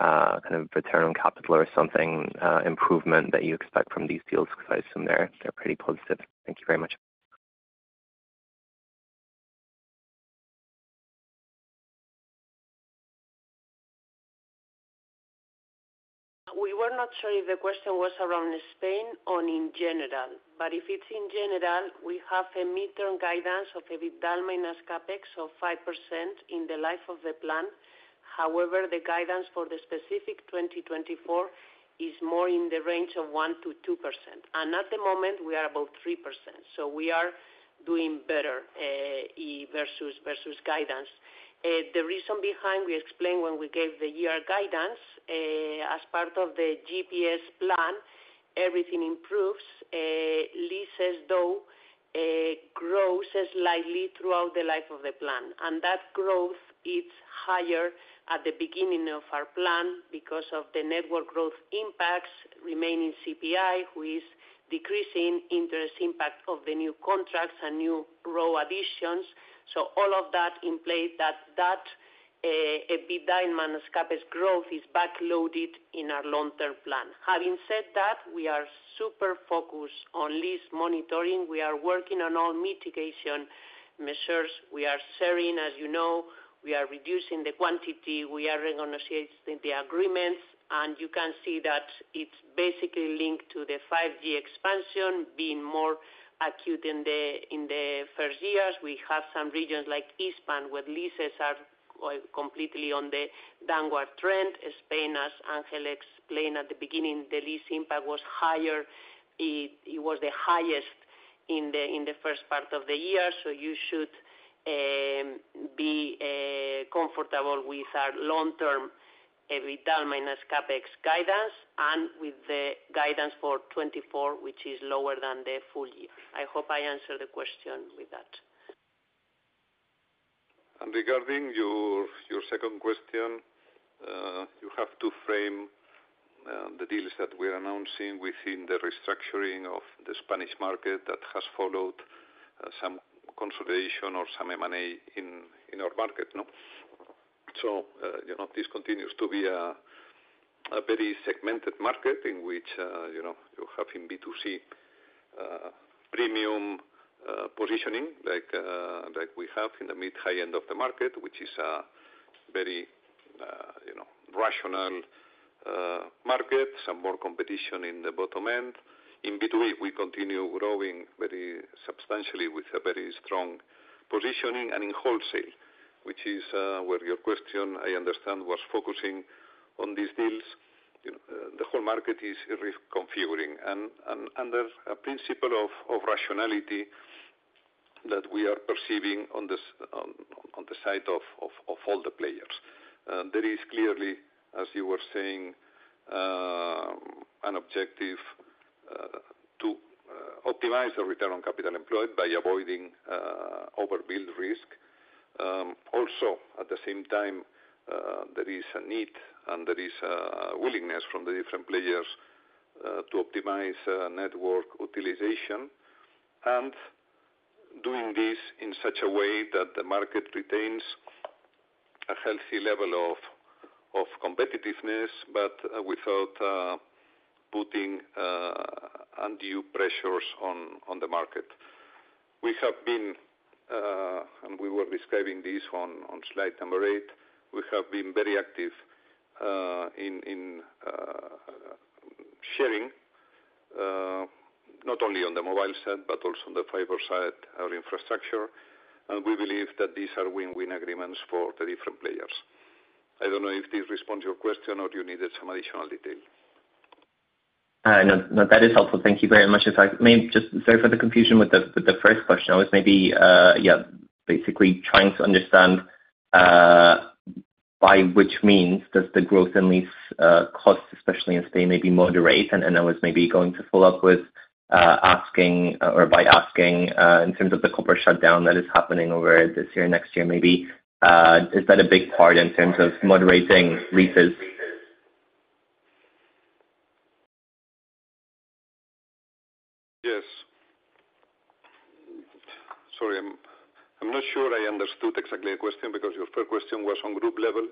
kind of return on capital or something, improvement that you expect from these deals, because I assume they're pretty positive. Thank you very much. We were not sure if the question was around Spain or in general, but if it's in general, we have a midterm guidance of EBITDA minus CapEx of 5% in the life of the plan. However, the guidance for the specific 2024 is more in the range of 1%-2%, and at the moment we are about 3%. So we are doing better versus guidance. The reason behind, we explained when we gave the year guidance as part of the GPS plan. Everything improves, leases though grows slightly throughout the life of the plan. And that growth is higher at the beginning of our plan because of the network growth impacts remaining CPI, which is decreasing interest impact of the new contracts and new grow additions. So all of that in play, that EBITDA minus CapEx growth is backloaded in our long-term plan. Having said that, we are super focused on lease monitoring. We are working on all mitigation measures. We are sharing, as you know, we are reducing the quantity, we are renegotiating the agreements, and you can see that it's basically linked to the 5G expansion being more acute in the first years. We have some regions like East Spain, where leases are quite completely on the downward trend. Spain, as Ángel explained at the beginning, the lease impact was higher. It was the highest in the first part of the year, so you should be comfortable with our long-term EBITDA minus CapEx guidance, and with the guidance for 2024, which is lower than the full year. I hope I answered the question with that. Regarding your second question, you have to frame the deals that we're announcing within the restructuring of the Spanish market that has followed some consolidation or some M&A in our market, no? So, you know, this continues to be a very segmented market in which, you know, you have in B2C premium positioning, like we have in the mid-high end of the market, which is a very you know rational market, some more competition in the bottom end. In between, we continue growing very substantially with a very strong positioning and in wholesale, which is where your question, I understand, was focusing on these deals. You know, the whole market is reconfiguring and under a principle of rationality that we are perceiving on the side of all the players. There is clearly, as you were saying, an objective to optimize the return on capital employed by avoiding overbuild risk. Also, at the same time, there is a need, and there is a willingness from the different players to optimize network utilization, and doing this in such a way that the market retains a healthy level of competitiveness, but without putting undue pressures on the market. We have been, and we were describing this on Slide number 8, we have been very active, in sharing, not only on the mobile side, but also on the fiber side, our infrastructure. And we believe that these are win-win agreements for the different players. I don't know if this responds your question or you needed some additional detail. No, no, that is helpful. Thank you very much. If I may, just sorry for the confusion with the, with the first question. I was maybe, yeah, basically trying to understand, by which means does the growth in lease costs, especially in Spain, maybe moderate, and, and I was maybe going to follow up with, asking or by asking, in terms of the copper shutdown that is happening over this year, next year, maybe, is that a big part in terms of moderating leases? Yes. Sorry, I'm not sure I understood exactly your question, because your first question was on group level,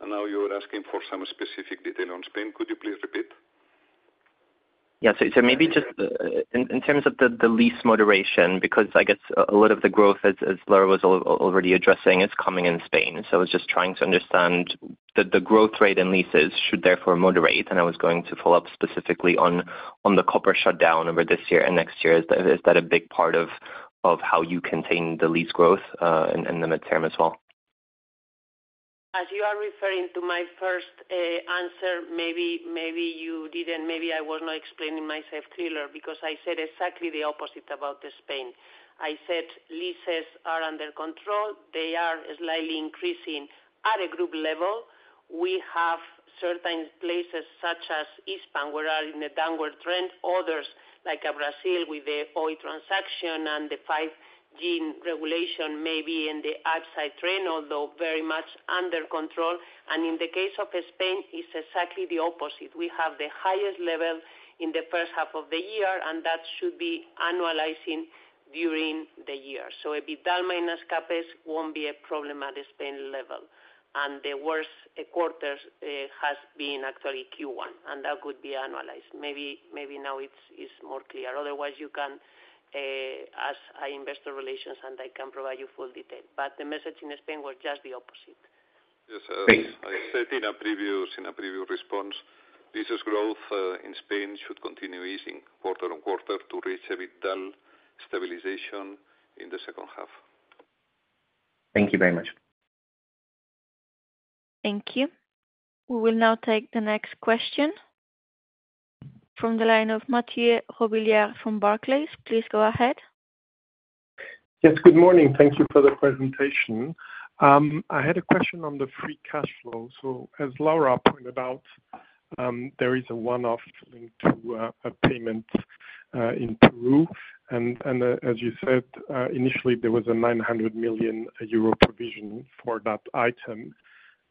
and now you are asking for some specific detail on Spain. Could you please repeat? Yeah. So maybe just in terms of the lease moderation, because I guess a lot of the growth as Laura was already addressing is coming in Spain. So I was just trying to understand the growth rate in leases should therefore moderate, and I was going to follow up specifically on the copper shutdown over this year and next year. Is that a big part of how you contain the lease growth in the midterm as well?... as you are referring to my first answer, maybe, maybe you didn't, maybe I was not explaining myself clearer, because I said exactly the opposite about Spain. I said leases are under control. They are slightly increasing at a group level. We have certain places such as Hispam, where we are in a downward trend, others, like in Brazil, with the Oi transaction and the 5G regulation may be in the upside trend, although very much under control. And in the case of Spain, it's exactly the opposite. We have the highest level in the first half of the year, and that should be annualizing during the year. So EBITDA minus CapEx won't be a problem at a Spain level. And the worst quarters has been actually Q1, and that could be annualized. Maybe, maybe now it's more clear. Otherwise, you can ask our investor relations, and I can provide you full detail, but the message in Spain was just the opposite. Yes, uh- Thank- I said in a previous, in a previous response, business growth in Spain should continue easing quarter-over-quarter to reach a EBITDA stabilization in the second half. Thank you very much. Thank you. We will now take the next question from the line of Mathieu Robilliard from Barclays. Please go ahead. Yes, good morning. Thank you for the presentation. I had a question on the free cash flow. So as Laura pointed out, there is a one-off linked to a payment in Peru, and as you said, initially there was a 900 million euro provision for that item.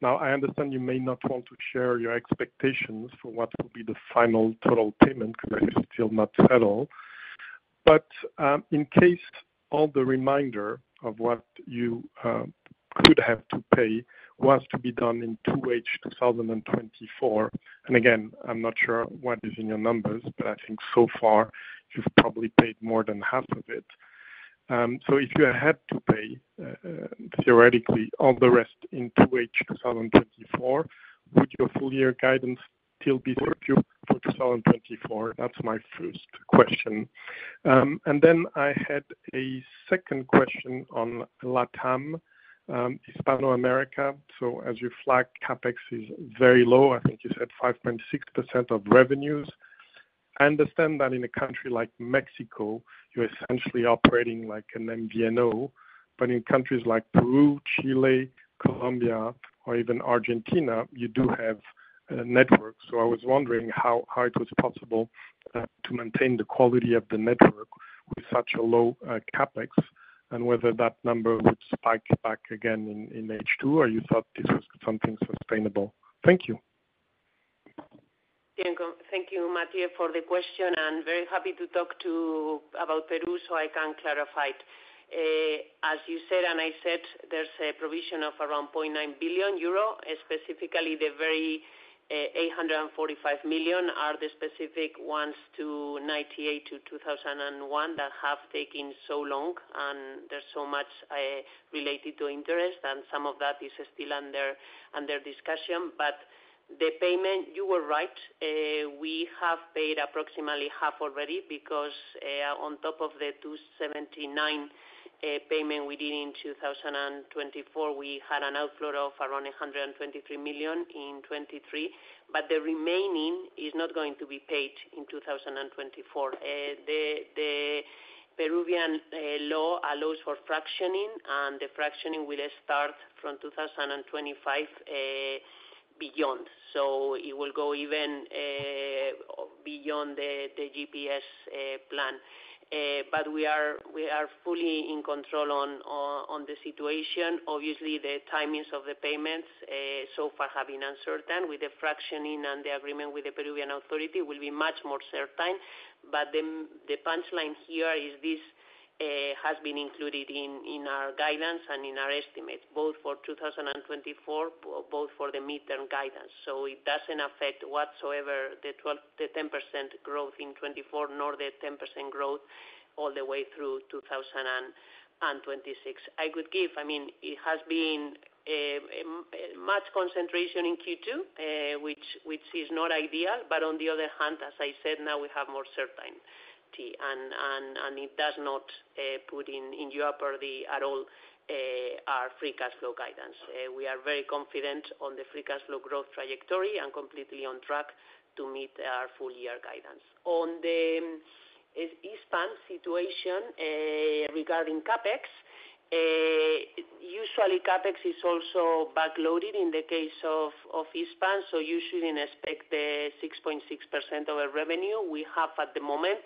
Now, I understand you may not want to share your expectations for what will be the final total payment, because it's still not settled. But in case all the remainder of what you could have to pay was to be done in 2H 2024, and again, I'm not sure what is in your numbers, but I think so far you've probably paid more than half of it. So if you had to pay, theoretically, all the rest in 2H 2024, would your full year guidance still be secure for 2024? That's my first question. And then I had a second question on Latam, Hispanoamérica. So as you flag, CapEx is very low. I think you said 5.6% of revenues. I understand that in a country like Mexico, you're essentially operating like an MVNO, but in countries like Peru, Chile, Colombia, or even Argentina, you do have a network. So I was wondering how it was possible to maintain the quality of the network with such a low CapEx, and whether that number would spike back again in H2, or you thought this was something sustainable? Thank you. Thank you, Mathieu, for the question, and very happy to talk to about Peru, so I can clarify it. As you said, and I said, there's a provision of around 0.9 billion euro, specifically the very 845 million are the specific ones to 1998 to 2001 that have taken so long, and there's so much related to interest, and some of that is still under discussion. But the payment, you were right, we have paid approximately half already because on top of the 279 payment we did in 2024, we had an outflow of around 123 million in 2023, but the remaining is not going to be paid in 2024. The Peruvian law allows for fractioning, and the fractioning will start from 2025, beyond. So it will go even beyond the GPS plan. But we are fully in control of the situation. Obviously, the timings of the payments so far have been uncertain. With the fractioning and the agreement with the Peruvian authority will be much more certain. But the punchline here is this has been included in our guidance and in our estimates, both for 2024, both for the midterm guidance. So it doesn't affect whatsoever the ten percent growth in 2024, nor the ten percent growth all the way through 2026. I would give, I mean, it has been much concentration in Q2, which is not ideal. But on the other hand, as I said, now we have more certainty. And it does not put in jeopardy at all our free cash flow guidance. We are very confident on the free cash flow growth trajectory and completely on track to meet our full year guidance. On the Hispam situation, regarding CapEx, usually CapEx is also backloaded in the case of Hispam, so you shouldn't expect the 6.6% of our revenue we have at the moment.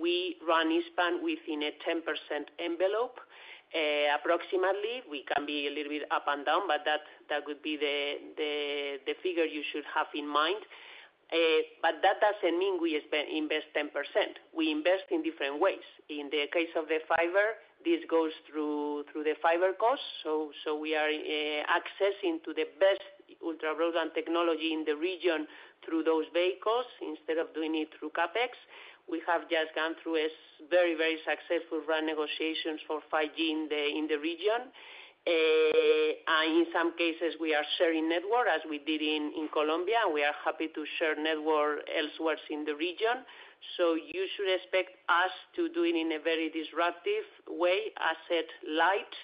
We RAN Hispam within a 10% envelope, approximately. We can be a little bit up and down, but that would be the figure you should have in mind. But that doesn't mean we invest 10%. We invest in different ways. In the case of the fiber, this goes through the fiber costs, so we are accessing to the best ultra broadband technology in the region through those vehicles instead of doing it through CapEx. We have just gone through a very, very successful RAN negotiations for 5G in the region. And in some cases, we are sharing network, as we did in Colombia, and we are happy to share network elsewhere in the region. So you should expect us to do it in a very disruptive way, asset light,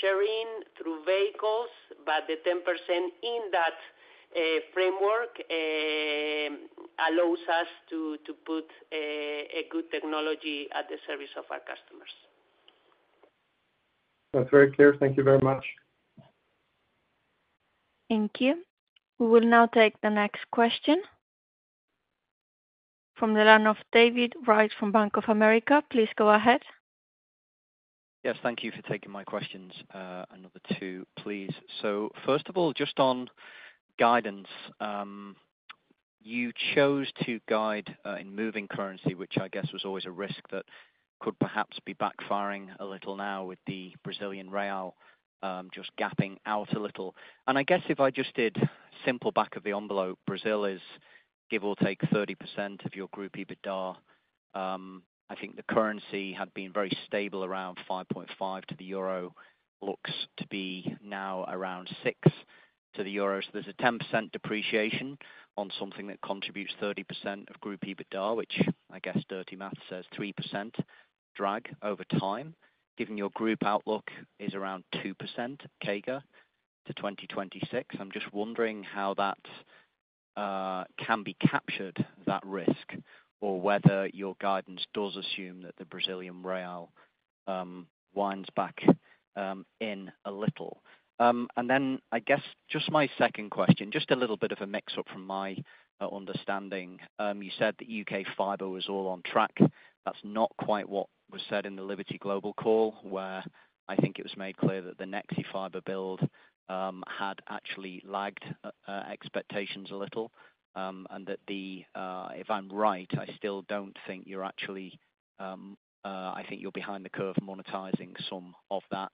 sharing through vehicles, but the 10% in that framework allows us to put a good technology at the service of our customers. That's very clear. Thank you very much. Thank you. We will now take the next question from the line of David Wright from Bank of America. Please go ahead. Yes, thank you for taking my questions, another two, please. So first of all, just on guidance, you chose to guide, in moving currency, which I guess was always a risk that could perhaps be backfiring a little now with the Brazilian real, just gapping out a little. And I guess if I just did simple back-of-the-envelope, Brazil is, give or take 30% of your group EBITDA. I think the currency had been very stable around 5.5 BRL to the EUR, looks to be now around 6 BRL to the EUR. So there's a 10% depreciation on something that contributes 30% of group EBITDA, which I guess dirty math says 3% drag over time, given your group outlook is around 2% CAGR to 2026. I'm just wondering how that can be captured, that risk, or whether your guidance does assume that the Brazilian real winds back in a little. And then I guess just a little bit of a mix-up from my understanding. You said that U.K. fiber was all on track. That's not quite what was said in the Liberty Global call, where I think it was made clear that the nexfibre build had actually lagged expectations a little. And that if I'm right, I still don't think you're actually behind the curve monetizing some of that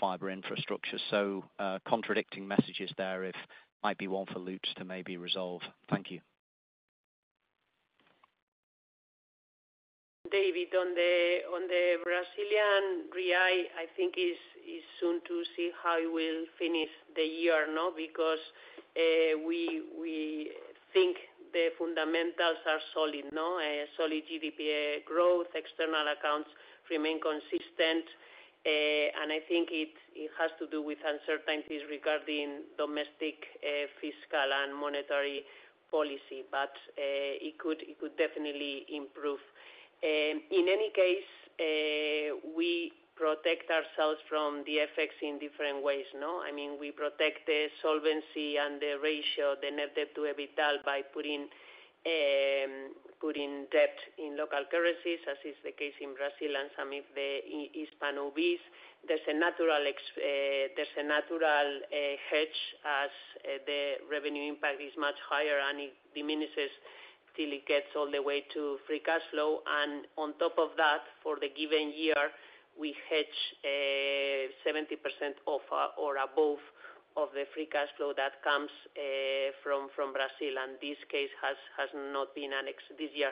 fiber infrastructure. So, contradicting messages there, it might be one for Lutz to maybe resolve. Thank you. David, on the Brazilian real, I think it's soon to see how it will finish the year, no? Because we think the fundamentals are solid, no? Solid GDP growth, external accounts remain consistent, and I think it has to do with uncertainties regarding domestic fiscal and monetary policy, but it could definitely improve. In any case, we protect ourselves from the effects in different ways, no? I mean, we protect the solvency and the ratio, the net debt to EBITDA, by putting debt in local currencies, as is the case in Brazil and some of the in Hispanoamérica. There's a natural hedge as the revenue impact is much higher, and it diminishes till it gets all the way to free cash flow. On top of that, for the given year, we hedge 70% of, or above, of the free cash flow that comes from Brazil. And this year has not been an exception,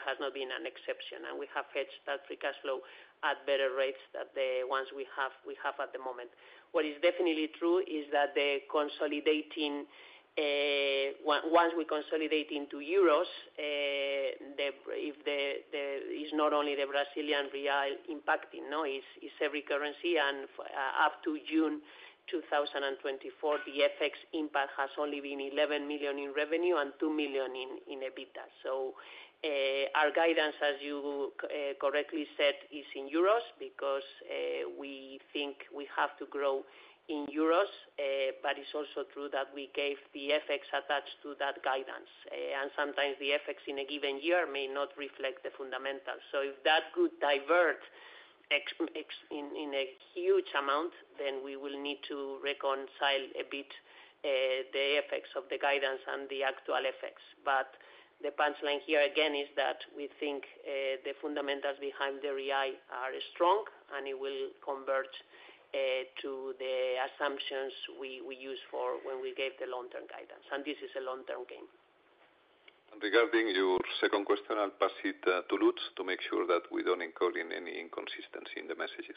and we have hedged that free cash flow at better rates than the ones we have at the moment. What is definitely true is that once we consolidate into euros, it's not only the Brazilian real impacting, no, it's every currency. And up to June 2024, the FX impact has only been 11 million in revenue and 2 million in EBITDA. So, our guidance, as you correctly said, is in euros, because we think we have to grow in euros. But it's also true that we gave the FX attached to that guidance, and sometimes the FX in a given year may not reflect the fundamentals. So if that could divert FX in a huge amount, then we will need to reconcile a bit the effects of the guidance and the actual effects. But the punchline here, again, is that we think the fundamentals behind the real are strong, and it will convert to the assumptions we used for when we gave the long-term guidance, and this is a long-term game. Regarding your second question, I'll pass it to Lutz to make sure that we don't incur in any inconsistency in the messages.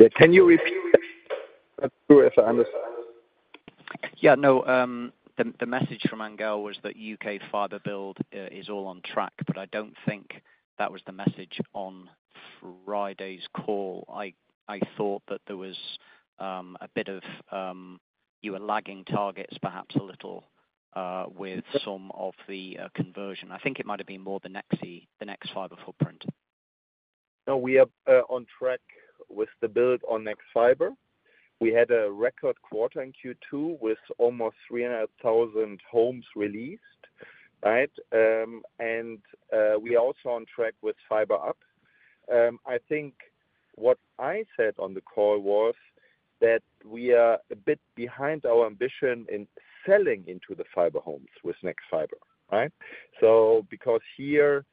Yeah, can you repeat that? So if I understand. Yeah, no, the message from Ángel was that U.K. fiber build is all on track, but I don't think that was the message on Friday's call. I thought that there was a bit of you were lagging targets, perhaps a little, with some of the conversion. I think it might have been more the Nexfibre, the nexfibre footprint. No, we are on track with the build on nexfibre. We had a record quarter in Q2 with almost 300,000 homes released, right? And we are also on track with Fibre Up. I think what I said on the call was that we are a bit behind our ambition in selling into the fiber homes with nexfibre, right? So because here,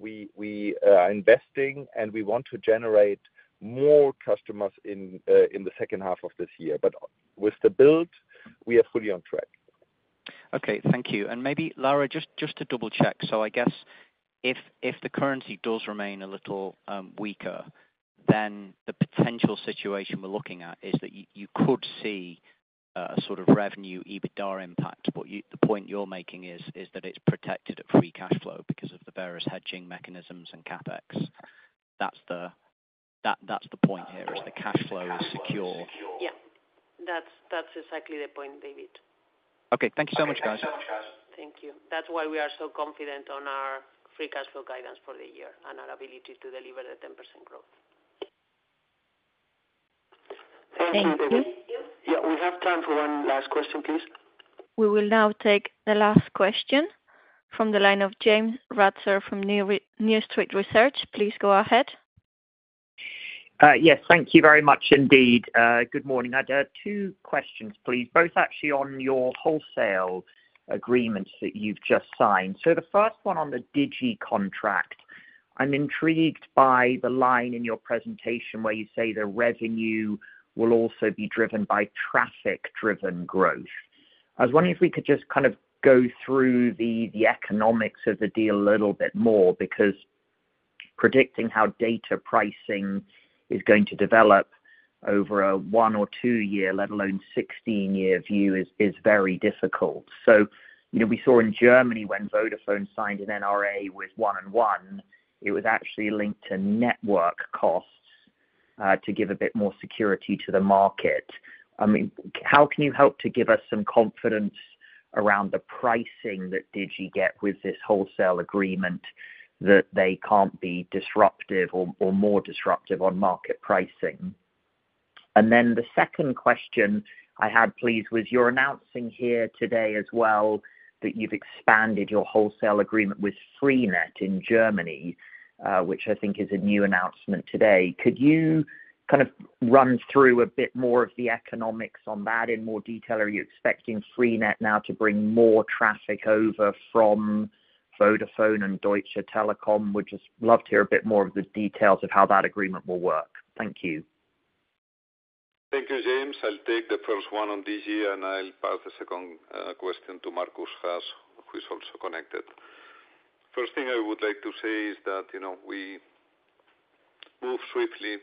we are investing, and we want to generate more customers in the second half of this year. But with the build, we are fully on track. Okay, thank you. And maybe, Laura, just to double-check. So I guess if the currency does remain a little weaker, then the potential situation we're looking at is that you could see sort of revenue, EBITDA impact. What the point you're making is that it's protected at free cash flow because of the various hedging mechanisms and CapEx. That's the point here, is the cash flow secure? Yeah. That's, that's exactly the point, David. Okay. Thank you so much, guys. Thank you. That's why we are so confident on our free cash flow guidance for the year and our ability to deliver the 10% growth. Thank you, David. Thank you. Yeah, we have time for one last question, please. We will now take the last question from the line of James Ratzer from New Street Research. Please go ahead. Yes, thank you very much indeed. Good morning. I'd two questions, please, both actually on your wholesale agreements that you've just signed. So the first one on the Digi contract, I'm intrigued by the line in your presentation, where you say the revenue will also be driven by traffic-driven growth. I was wondering if we could just kind of go through the economics of the deal a little bit more, because predicting how data pricing is going to develop over a one- or two-year, let alone 16-year view is very difficult. So, you know, we saw in Germany, when Vodafone signed an NRA with 1&1, it was actually linked to network costs, to give a bit more security to the market. I mean, how can you help to give us some confidence around the pricing that Digi get with this wholesale agreement, that they can't be disruptive or, or more disruptive on market pricing? And then the second question I had, please, was you're announcing here today as well, that you've expanded your wholesale agreement with Freenet in Germany, which I think is a new announcement today. Could you kind of RAN through a bit more of the economics on that in more detail? Are you expecting Freenet now to bring more traffic over from Vodafone and Deutsche Telekom? Would just love to hear a bit more of the details of how that agreement will work. Thank you. Thank you, James. I'll take the first one on Digi, and I'll pass the second question to Markus Haas, who is also connected. First thing I would like to say is that, you know, we moved swiftly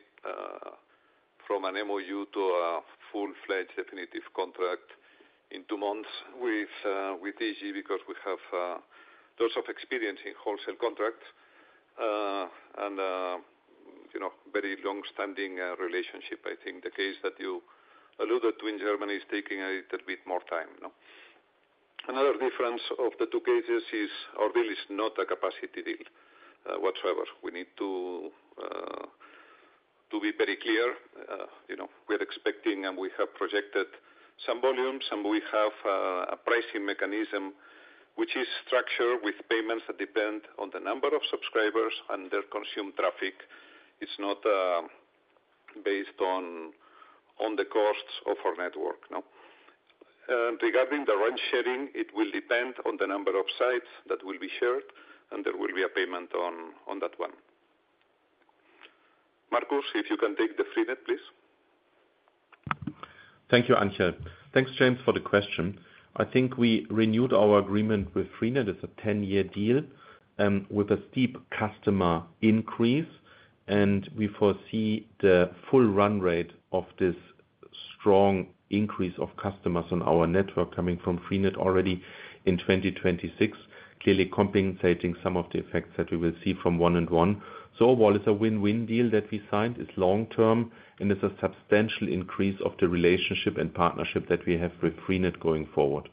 from an MOU to a full-fledged definitive contract in two months with Digi, because we have lots of experience in wholesale contracts and you know very long-standing relationship. I think the case that you alluded to in Germany is taking a little bit more time, you know? Another difference of the two cases is our deal is not a capacity deal whatsoever. We need to be very clear you know we're expecting, and we have projected some volumes, and we have a pricing mechanism which is structured with payments that depend on the number of subscribers and their consumed traffic. It's not based on the costs of our network, no? Regarding the rent sharing, it will depend on the number of sites that will be shared, and there will be a payment on that one. Markus, if you can take the Freenet, please. Thank you, Ángel. Thanks, James, for the question. I think we renewed our agreement with Freenet. It's a 10-year deal with a steep customer increase, and we foresee the full RAN rate of this strong increase of customers on our network coming from Freenet already in 2026, clearly compensating some of the effects that we will see from 1&1. So while it's a win-win deal that we signed, it's long term, and it's a substantial increase of the relationship and partnership that we have with Freenet going forward.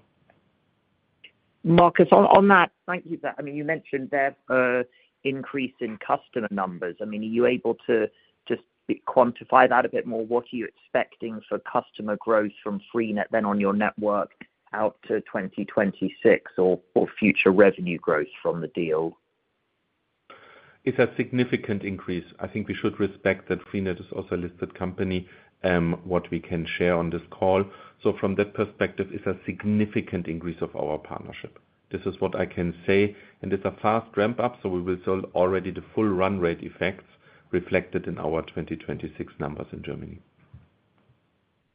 Marcus, on that, thank you. But, I mean, you mentioned there an increase in customer numbers. I mean, are you able to just quantify that a bit more? What are you expecting for customer growth from Freenet then, on your network out to 2026 or future revenue growth from the deal? It's a significant increase. I think we should respect that Freenet is also a listed company, what we can share on this call. From that perspective, it's a significant increase of our partnership. This is what I can say, and it's a fast ramp up, so we will sell already the full RAN rate effects reflected in our 2026 numbers in Germany.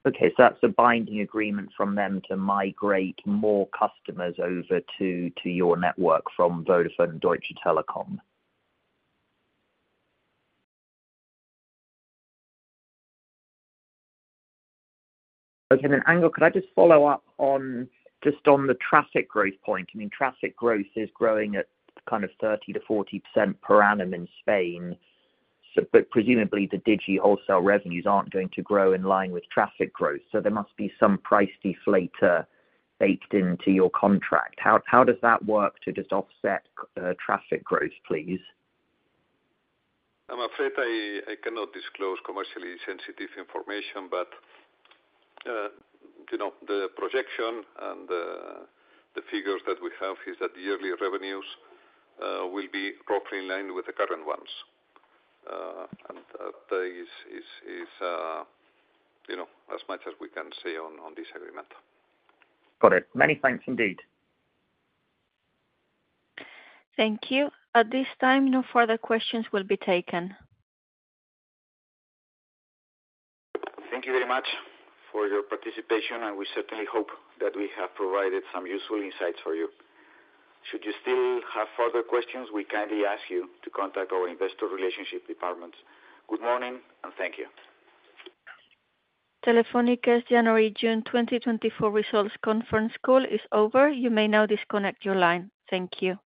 Okay, so that's a binding agreement from them to migrate more customers over to, to your network from Vodafone and Deutsche Telekom. Okay, and Ángel, could I just follow up on, just on the traffic growth point? I mean, traffic growth is growing at kind of 30%-40% per annum in Spain, so, but presumably the Digi wholesale revenues aren't going to grow in line with traffic growth, so there must be some price deflator baked into your contract. How, how does that work to just offset, traffic growth, please? I'm afraid I cannot disclose commercially sensitive information, but you know, the projection and the figures that we have is that the yearly revenues will be roughly in line with the current ones. And that is, you know, as much as we can say on this agreement. Got it. Many thanks, indeed. Thank you. At this time, no further questions will be taken. Thank you very much for your participation, and we certainly hope that we have provided some useful insights for you. Should you still have further questions, we kindly ask you to contact our investor relationship department. Good morning, and thank you. Telefónica's January-June 2024 results conference call is over. You may now disconnect your line. Thank you.